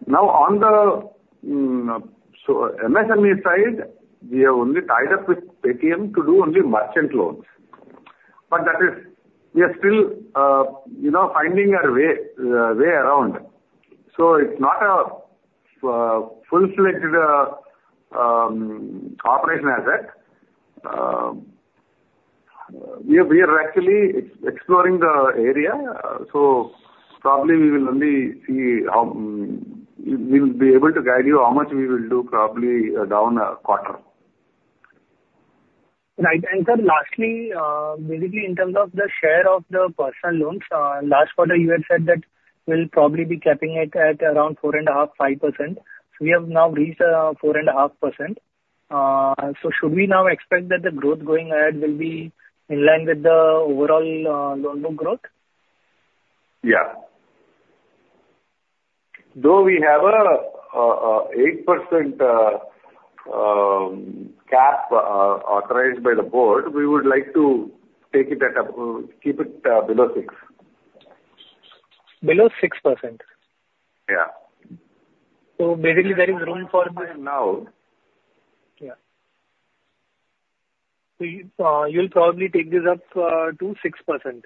Now, on the, so MSME side, we have only tied up with Paytm to do only merchant loans. But that is, we are still, you know, finding our way around. So it's not a full-fledged operation as yet. We are actually exploring the area, so probably we will only see how, we'll be able to guide you how much we will do probably down a quarter. Right. And, sir, lastly, basically in terms of the share of the personal loans, last quarter you had said that we'll probably be capping it at around 4.5%-5%. We have now reached 4.5%. So should we now expect that the growth going ahead will be in line with the overall, loan book growth? Yeah. Though we have an 8% cap authorized by the board, we would like to keep it below 6%. Below 6%? Yeah. Basically there is room for- Now. Yeah. So you, you'll probably take this up to 6%.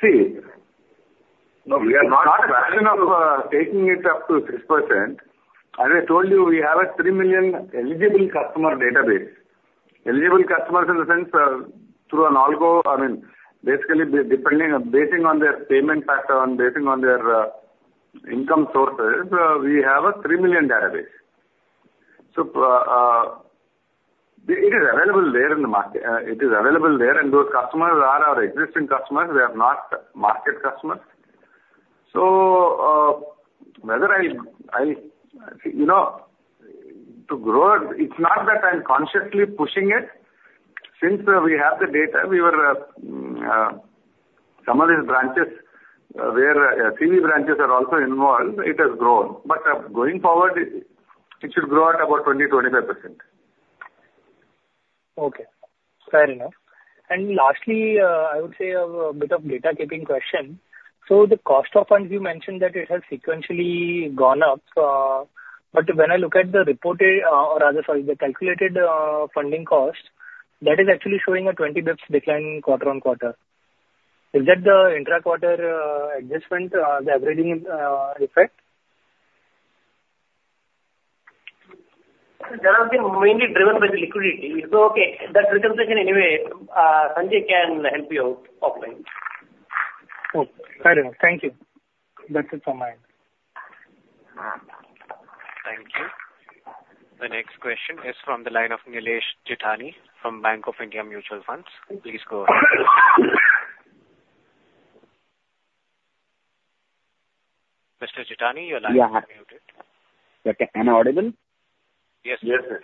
See, no, we are not planning of taking it up to 6%. As I told you, we have a 3 million eligible customer database. Eligible customers in the sense, through an algo, I mean, basically depending on, basing on their payment pattern, basing on their income sources, we have a 3 million database. So, it is available there in the market. It is available there, and those customers are our existing customers, they are not market customers. So, whether I, you know, to grow, it's not that I'm consciously pushing it. Since we have the data, we were some of these branches, where CV branches are also involved, it has grown. But, going forward, it should grow at about 20-25%. Okay, fair enough. And lastly, I would say a bit of data keeping question. So the cost of funds, you mentioned that it has sequentially gone up, but when I look at the reported, rather, sorry, the calculated funding cost, that is actually showing a 20 basis points decline quarter-on-quarter. Is that the intra-quarter adjustment, the averaging effect? That has been mainly driven by the liquidity. It's okay. That's representation anyway. Sanjay can help you out offline. Okay. Fair enough. Thank you. That's it from my end. Thank you. The next question is from the line of Nilesh Jethani from Bank of India Investment Managers. Please go ahead. Mr. Jethani, your line is unmuted. Yeah. Am I audible? Yes. Yes, sir.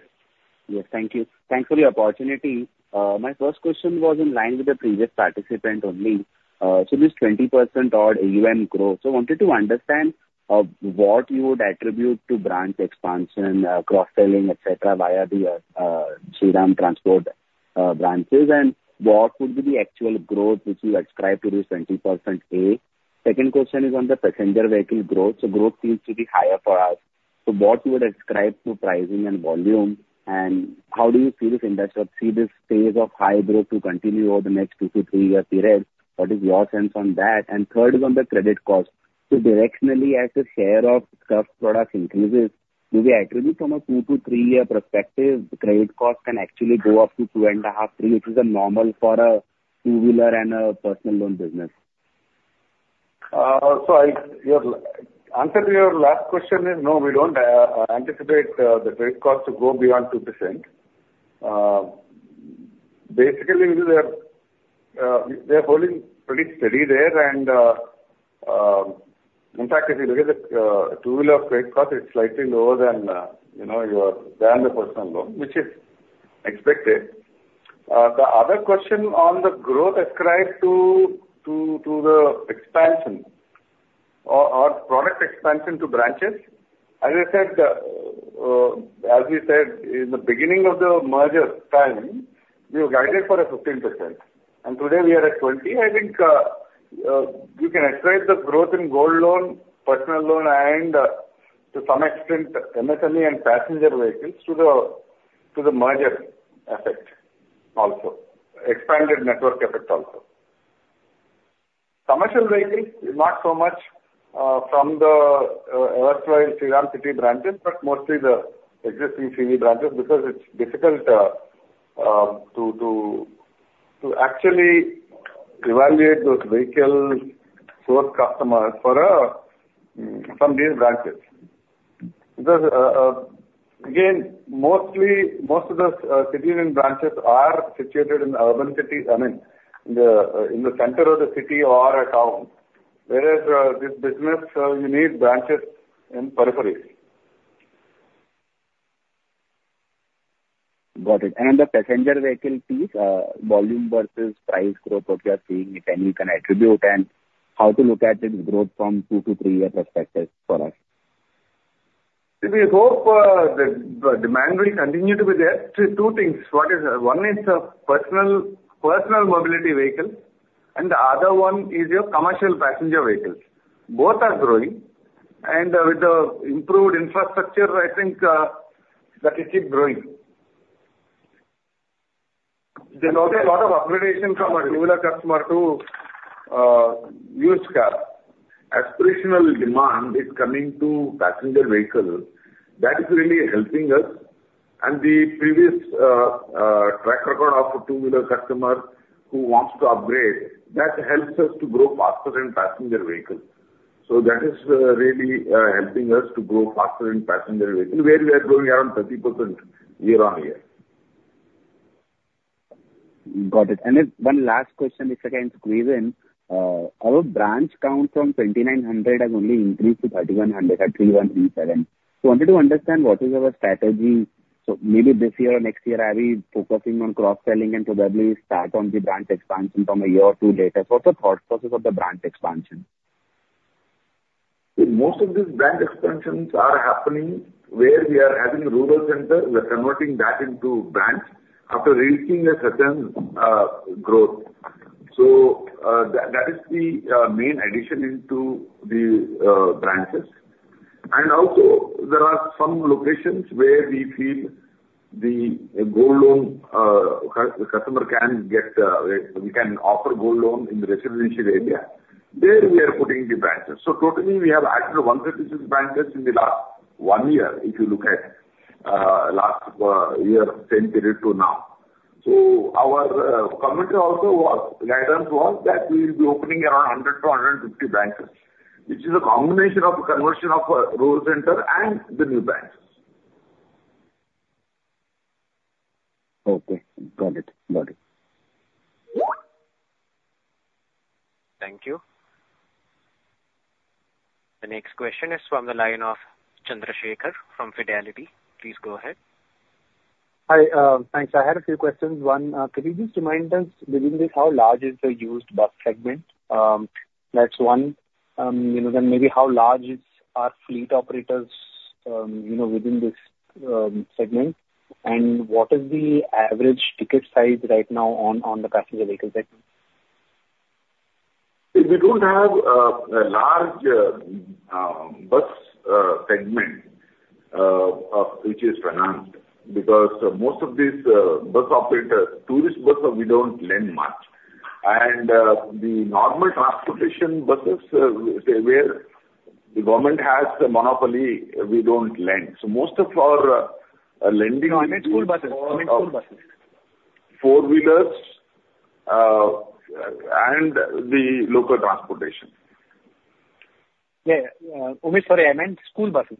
Yes. Thank you. Thanks for the opportunity. My first question was in line with the previous participant only. So this 20% odd AUM growth, so wanted to understand, what you would attribute to branch expansion, cross-selling, et cetera, via the Shriram Transport branches, and what would be the actual growth, which you ascribe to this 20%, A? Second question is on the passenger vehicle growth. So growth seems to be higher for us. So what you would ascribe to pricing and volume, and how do you see this industry or see this phase of high growth to continue over the next 2- to 3-year period? What is your sense on that? And third is on the credit cost. So directionally, as the share of tough products increases, do we attribute from a 2- to 3-year perspective, the credit cost can actually go up to 2.5, 3, which is a normal for a two-wheeler and a personal loan business. So, your answer to your last question is no, we don't anticipate the credit cost to go beyond 2%. Basically, we are holding pretty steady there, and, in fact, if you look at the two-wheeler credit cost, it's slightly lower than, you know, the personal loan, which is expected. The other question on the growth ascribed to the expansion or product expansion to branches, as I said, as we said in the beginning of the merger time, we have guided for 15%, and today we are at 20%. I think you can ascribe the growth in gold loan, personal loan, and, to some extent, MSME and passenger vehicles to the merger effect also, expanded network effect also. Commercial vehicles is not so much from the erstwhile Shriram City branches, but mostly the existing CV branches, because it's difficult to actually evaluate those vehicle source customers for from these branches. Because again, mostly, most of those cities and branches are situated in urban cities, I mean, in the center of the city or a town, whereas this business you need branches in periphery.... Got it. And the passenger vehicle fleet, volume versus price growth, what you are seeing, if any, you can attribute, and how to look at this growth from 2- to 3-year perspective for us? We hope the demand will continue to be there. Two things: one is personal mobility vehicle, and the other one is your commercial passenger vehicles. Both are growing, and with the improved infrastructure, I think that will keep growing. There are a lot of upgradation from a two-wheeler customer to used car. Aspirational demand is coming to passenger vehicles, that is really helping us. And the previous track record of a two-wheeler customer who wants to upgrade, that helps us to grow faster in passenger vehicles. So that is really helping us to grow faster in passenger vehicles, where we are growing around 30% year-on-year. Got it. And then one last question, if I can squeeze in. Our branch count from 2,900 has only increased to 3,100, actually 137. So wanted to understand what is our strategy. So maybe this year or next year, are we focusing on cross-selling and probably start on the branch expansion from a year or two later? What's the thought process of the branch expansion? Most of these branch expansions are happening where we are having rural centers, we are converting that into branches after reaching a certain growth. So, that is the main addition into the branches. And also there are some locations where we feel the gold loan customer can get, we can offer gold loan in the residential area, there we are putting the branches. So totally, we have added 136 branches in the last one year, if you look at last year same period to now. So our committee also, guidance was that we will be opening around 100-150 branches, which is a combination of conversion of rural center and the new branches. Okay. Got it. Got it. Thank you. The next question is from the line of Chandrasekhar from Fidelity. Please go ahead. Hi, thanks. I had a few questions. One, could you just remind us within this, how large is the used bus segment? That's one. You know, then maybe how large is our fleet operators, you know, within this, segment? And what is the average ticket size right now on the passenger vehicle segment? We don't have a large bus segment of which is financed, because most of these bus operators, tourist buses, we don't lend much. And the normal transportation buses where the government has the monopoly, we don't lend. So most of our lending is- No, I meant school buses. I mean, school buses. Four-wheelers and the local transportation. Yeah, yeah. Umesh, sorry, I meant school buses.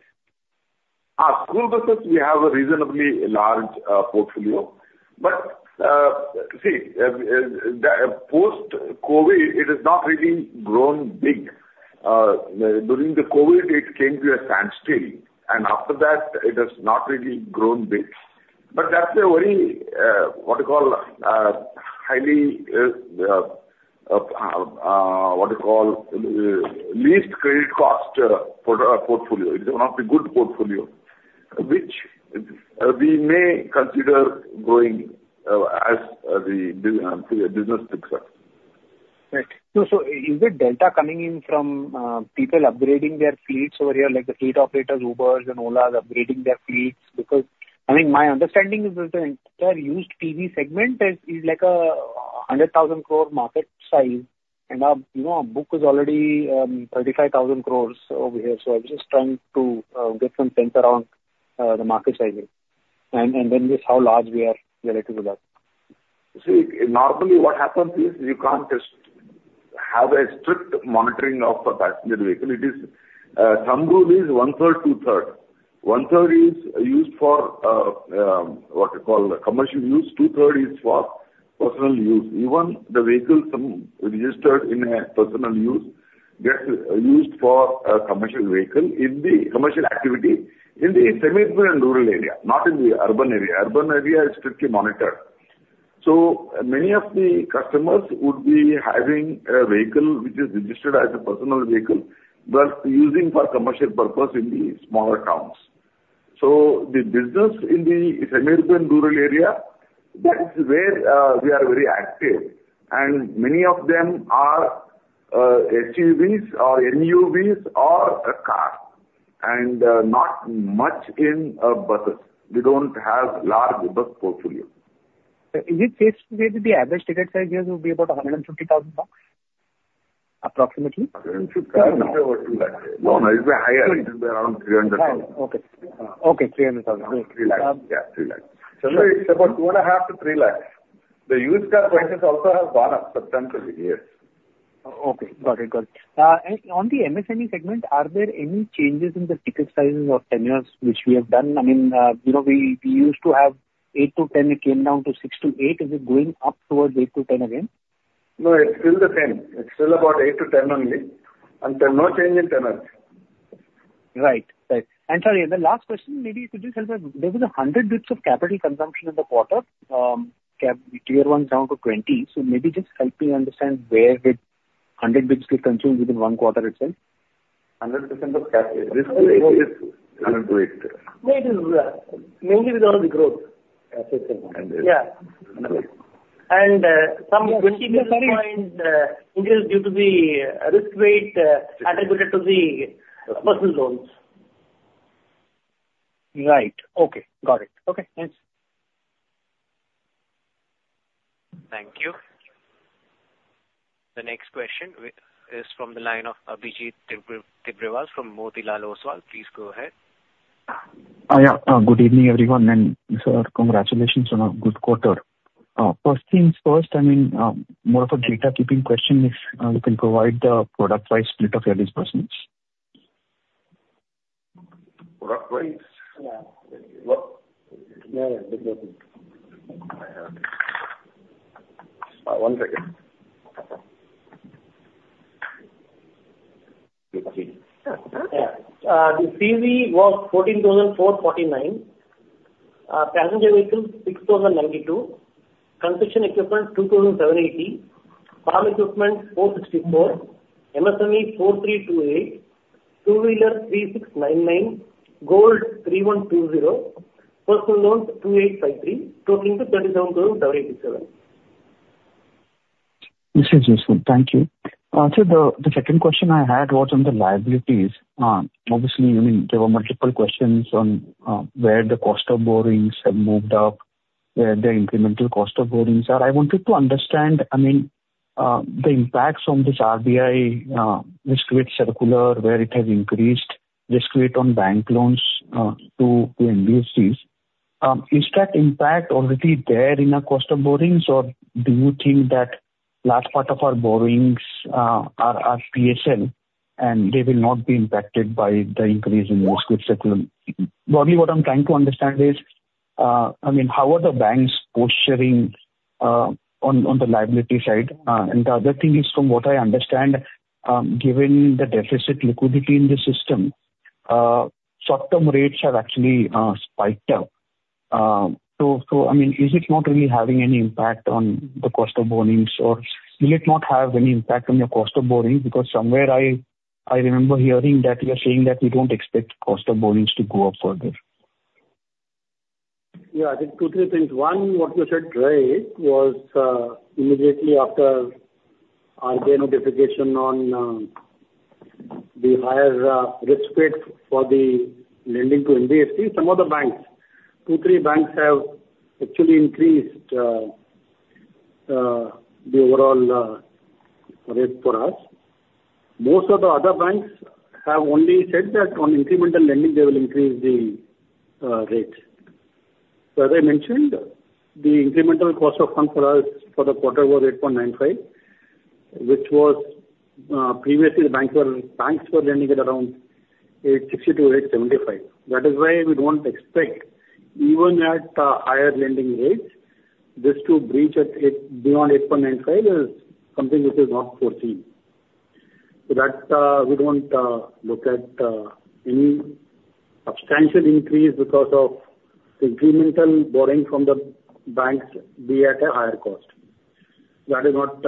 Ah, school buses, we have a reasonably large portfolio. But, see, the post-COVID, it has not really grown big. During the COVID, it came to a standstill, and after that, it has not really grown big. But that's a very, what you call, least credit cost portfolio. It's one of the good portfolio, which we may consider growing, as the business picks up. Right. So is the delta coming in from people upgrading their fleets over here, like the fleet operators, Ubers and Olas, upgrading their fleets? Because, I mean, my understanding is that the entire used CV segment is like a 100,000 crore market size, and, you know, our book is already 35,000 crore over here. So I'm just trying to get some sense around the market sizing and then just how large we are relative to that. See, normally what happens is you can't just have a strict monitoring of the passenger vehicle. It is some rule is one-third, two-third. One-third is used for what you call commercial use, two-third is for personal use. Even the vehicles registered in a personal use gets used for a commercial vehicle in the commercial activity in the semi-urban and rural area, not in the urban area. Urban area is strictly monitored. So many of the customers would be having a vehicle which is registered as a personal vehicle, but using for commercial purpose in the smaller towns. So the business in the semi-urban, rural area, that is where we are very active, and many of them are SUVs or MUVs or a car, and not much in buses. We don't have large bus portfolio. In this case, maybe the average ticket size here will be about INR 150,000, approximately? It should be over INR 2 lakh. No, no, it'll be higher. It should be around 300 thousand. Okay. Okay, 300,000. 3 lakh. Yeah, 3 lakh. So it's about 2.5-3 lakh. The used car prices also have gone up substantially, yes. Okay, got it. Got it. On the MSME segment, are there any changes in the ticket sizes or tenures which we have done? I mean, you know, we used to have 8-10, it came down to 6-8. Is it going up towards 8-10 again?... No, it's still the same. It's still about 8-10 only, and there's no change in tenures. Right. Right. Sorry, and the last question: maybe could you help us? There was 100 basis points of capital consumption in the quarter, Tier 1 down to 20%. So maybe just help me understand where 100 basis points got consumed within one quarter itself? 100% of capital. Risk weight is 100 weight. No, it is mainly with all the growth. And, uh- Yeah. And, some additional point, increase due to the risk weight, attributed to the personal loans. Right. Okay. Got it. Okay, thanks. Thank you. The next question is from the line of Abhijit Tibrewal from Motilal Oswal. Please go ahead. Yeah. Good evening, everyone, and sir, congratulations on a good quarter. First things first, I mean, more of a data keeping question, if you can provide the product-wise split of your disbursements. Product-wise? Yeah. What? Yeah, yeah. One second. Yeah. The CV was 14,449. Passenger vehicle, 6,092. Construction equipment, 2,780. Farm equipment, 464. MSME, 4,328. Two-wheeler, 3,699. Gold, 3,120. Personal loans, 2,853. Totaling to 37,787. This is useful. Thank you. So the second question I had was on the liabilities. Obviously, I mean, there were multiple questions on where the cost of borrowings have moved up, where the incremental cost of borrowings are. I wanted to understand, I mean, the impacts on this RBI risk weight circular, where it has increased risk weight on bank loans to NBFCs. Is that impact already there in our cost of borrowings, or do you think that large part of our borrowings are PSL, and they will not be impacted by the increase in risk weight circular? Broadly, what I'm trying to understand is, I mean, how are the banks posturing on the liability side? And the other thing is, from what I understand, given the deficit liquidity in the system, short-term rates have actually spiked up. So, I mean, is it not really having any impact on the cost of borrowings, or will it not have any impact on your cost of borrowing? Because somewhere I remember hearing that you are saying that we don't expect cost of borrowings to go up further. Yeah, I think two, three things. One, what you said, right, was immediately after RBI notification on the higher risk weight for the lending to NBFCs, some of the banks, two, three banks have actually increased the overall rate for us. Most of the other banks have only said that on incremental lending, they will increase the rate. So as I mentioned, the incremental cost of funds for us for the quarter was 8.95, which was previously the banks were lending at around 8.60-8.75. That is why we don't expect, even at higher lending rates, this to breach at 8- beyond 8.95 is something which is not foreseen. So that's we don't look at any substantial increase because of the incremental borrowing from the banks, be at a higher cost. That is not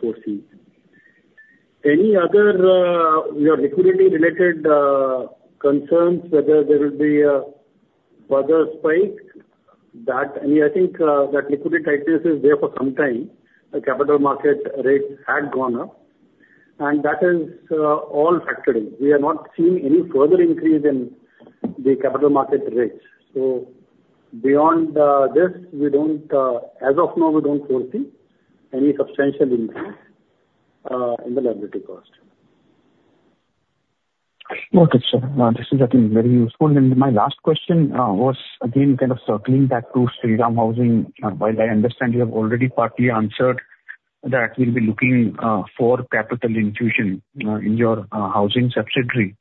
foreseen. Any other your liquidity-related concerns, whether there will be a further spike, that, I mean, I think, that liquidity crisis is there for some time. The capital market rates had gone up, and that is all factored in. We are not seeing any further increase in the capital market rates. So beyond this, we don't, as of now, we don't foresee any substantial increase in the liability cost. Okay, sir. This is, I think, very useful. My last question was again kind of circling back to Shriram Housing. While I understand you have already partly answered that we'll be looking for capital infusion in your housing subsidiary.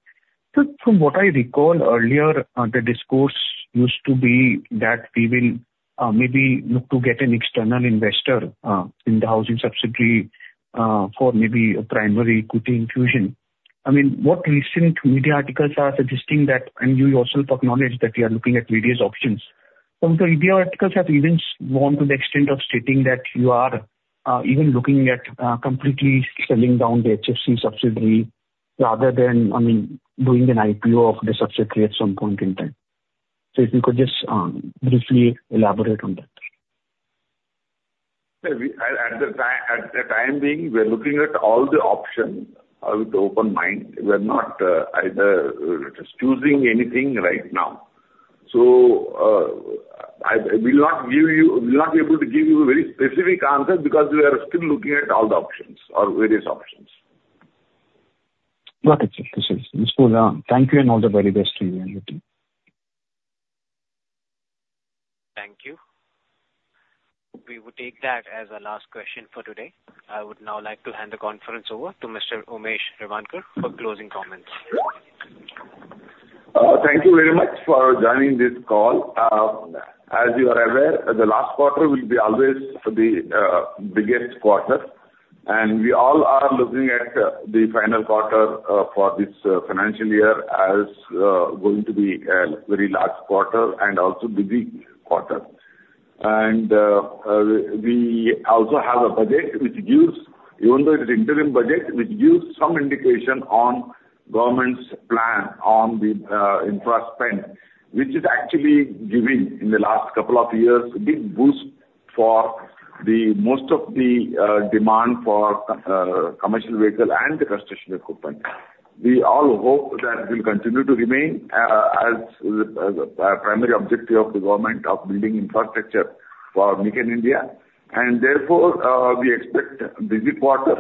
From what I recall earlier, the discourse used to be that we will maybe look to get an external investor in the housing subsidiary for maybe a primary equity infusion. I mean, what recent media articles are suggesting that, and you also acknowledge that we are looking at various options. Some of the media articles have even gone to the extent of stating that you are even looking at completely selling down the HFC subsidiary rather than, I mean, doing an IPO of the subsidiary at some point in time. If you could just briefly elaborate on that. Yeah, at the time being, we are looking at all the options with open mind. We are not either choosing anything right now. So, I will not give you, will not be able to give you a very specific answer because we are still looking at all the options or various options. Okay, sir. This is useful. Thank you, and all the very best to you and your team. Thank you. We will take that as our last question for today. I would now like to hand the conference over to Mr. Umesh Revankar for closing comments. Thank you very much for joining this call. As you are aware, the last quarter will be always the biggest quarter, and we all are looking at the final quarter for this financial year as going to be a very large quarter and also busy quarter. We also have a budget which gives, even though it is interim budget, which gives some indication on government's plan on the infra spend, which is actually giving, in the last couple of years, a big boost for the most of the demand for commercial vehicle and the construction equipment. We all hope that will continue to remain as primary objective of the government of building infrastructure for Make in India, and therefore, we expect a busy quarter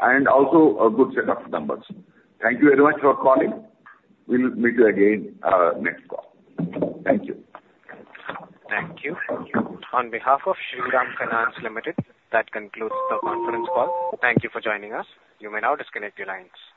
and also a good set of numbers. Thank you very much for calling. We'll meet you again, next call. Thank you. Thank you. On behalf of Shriram Finance Limited, that concludes the conference call. Thank you for joining us. You may now disconnect your lines.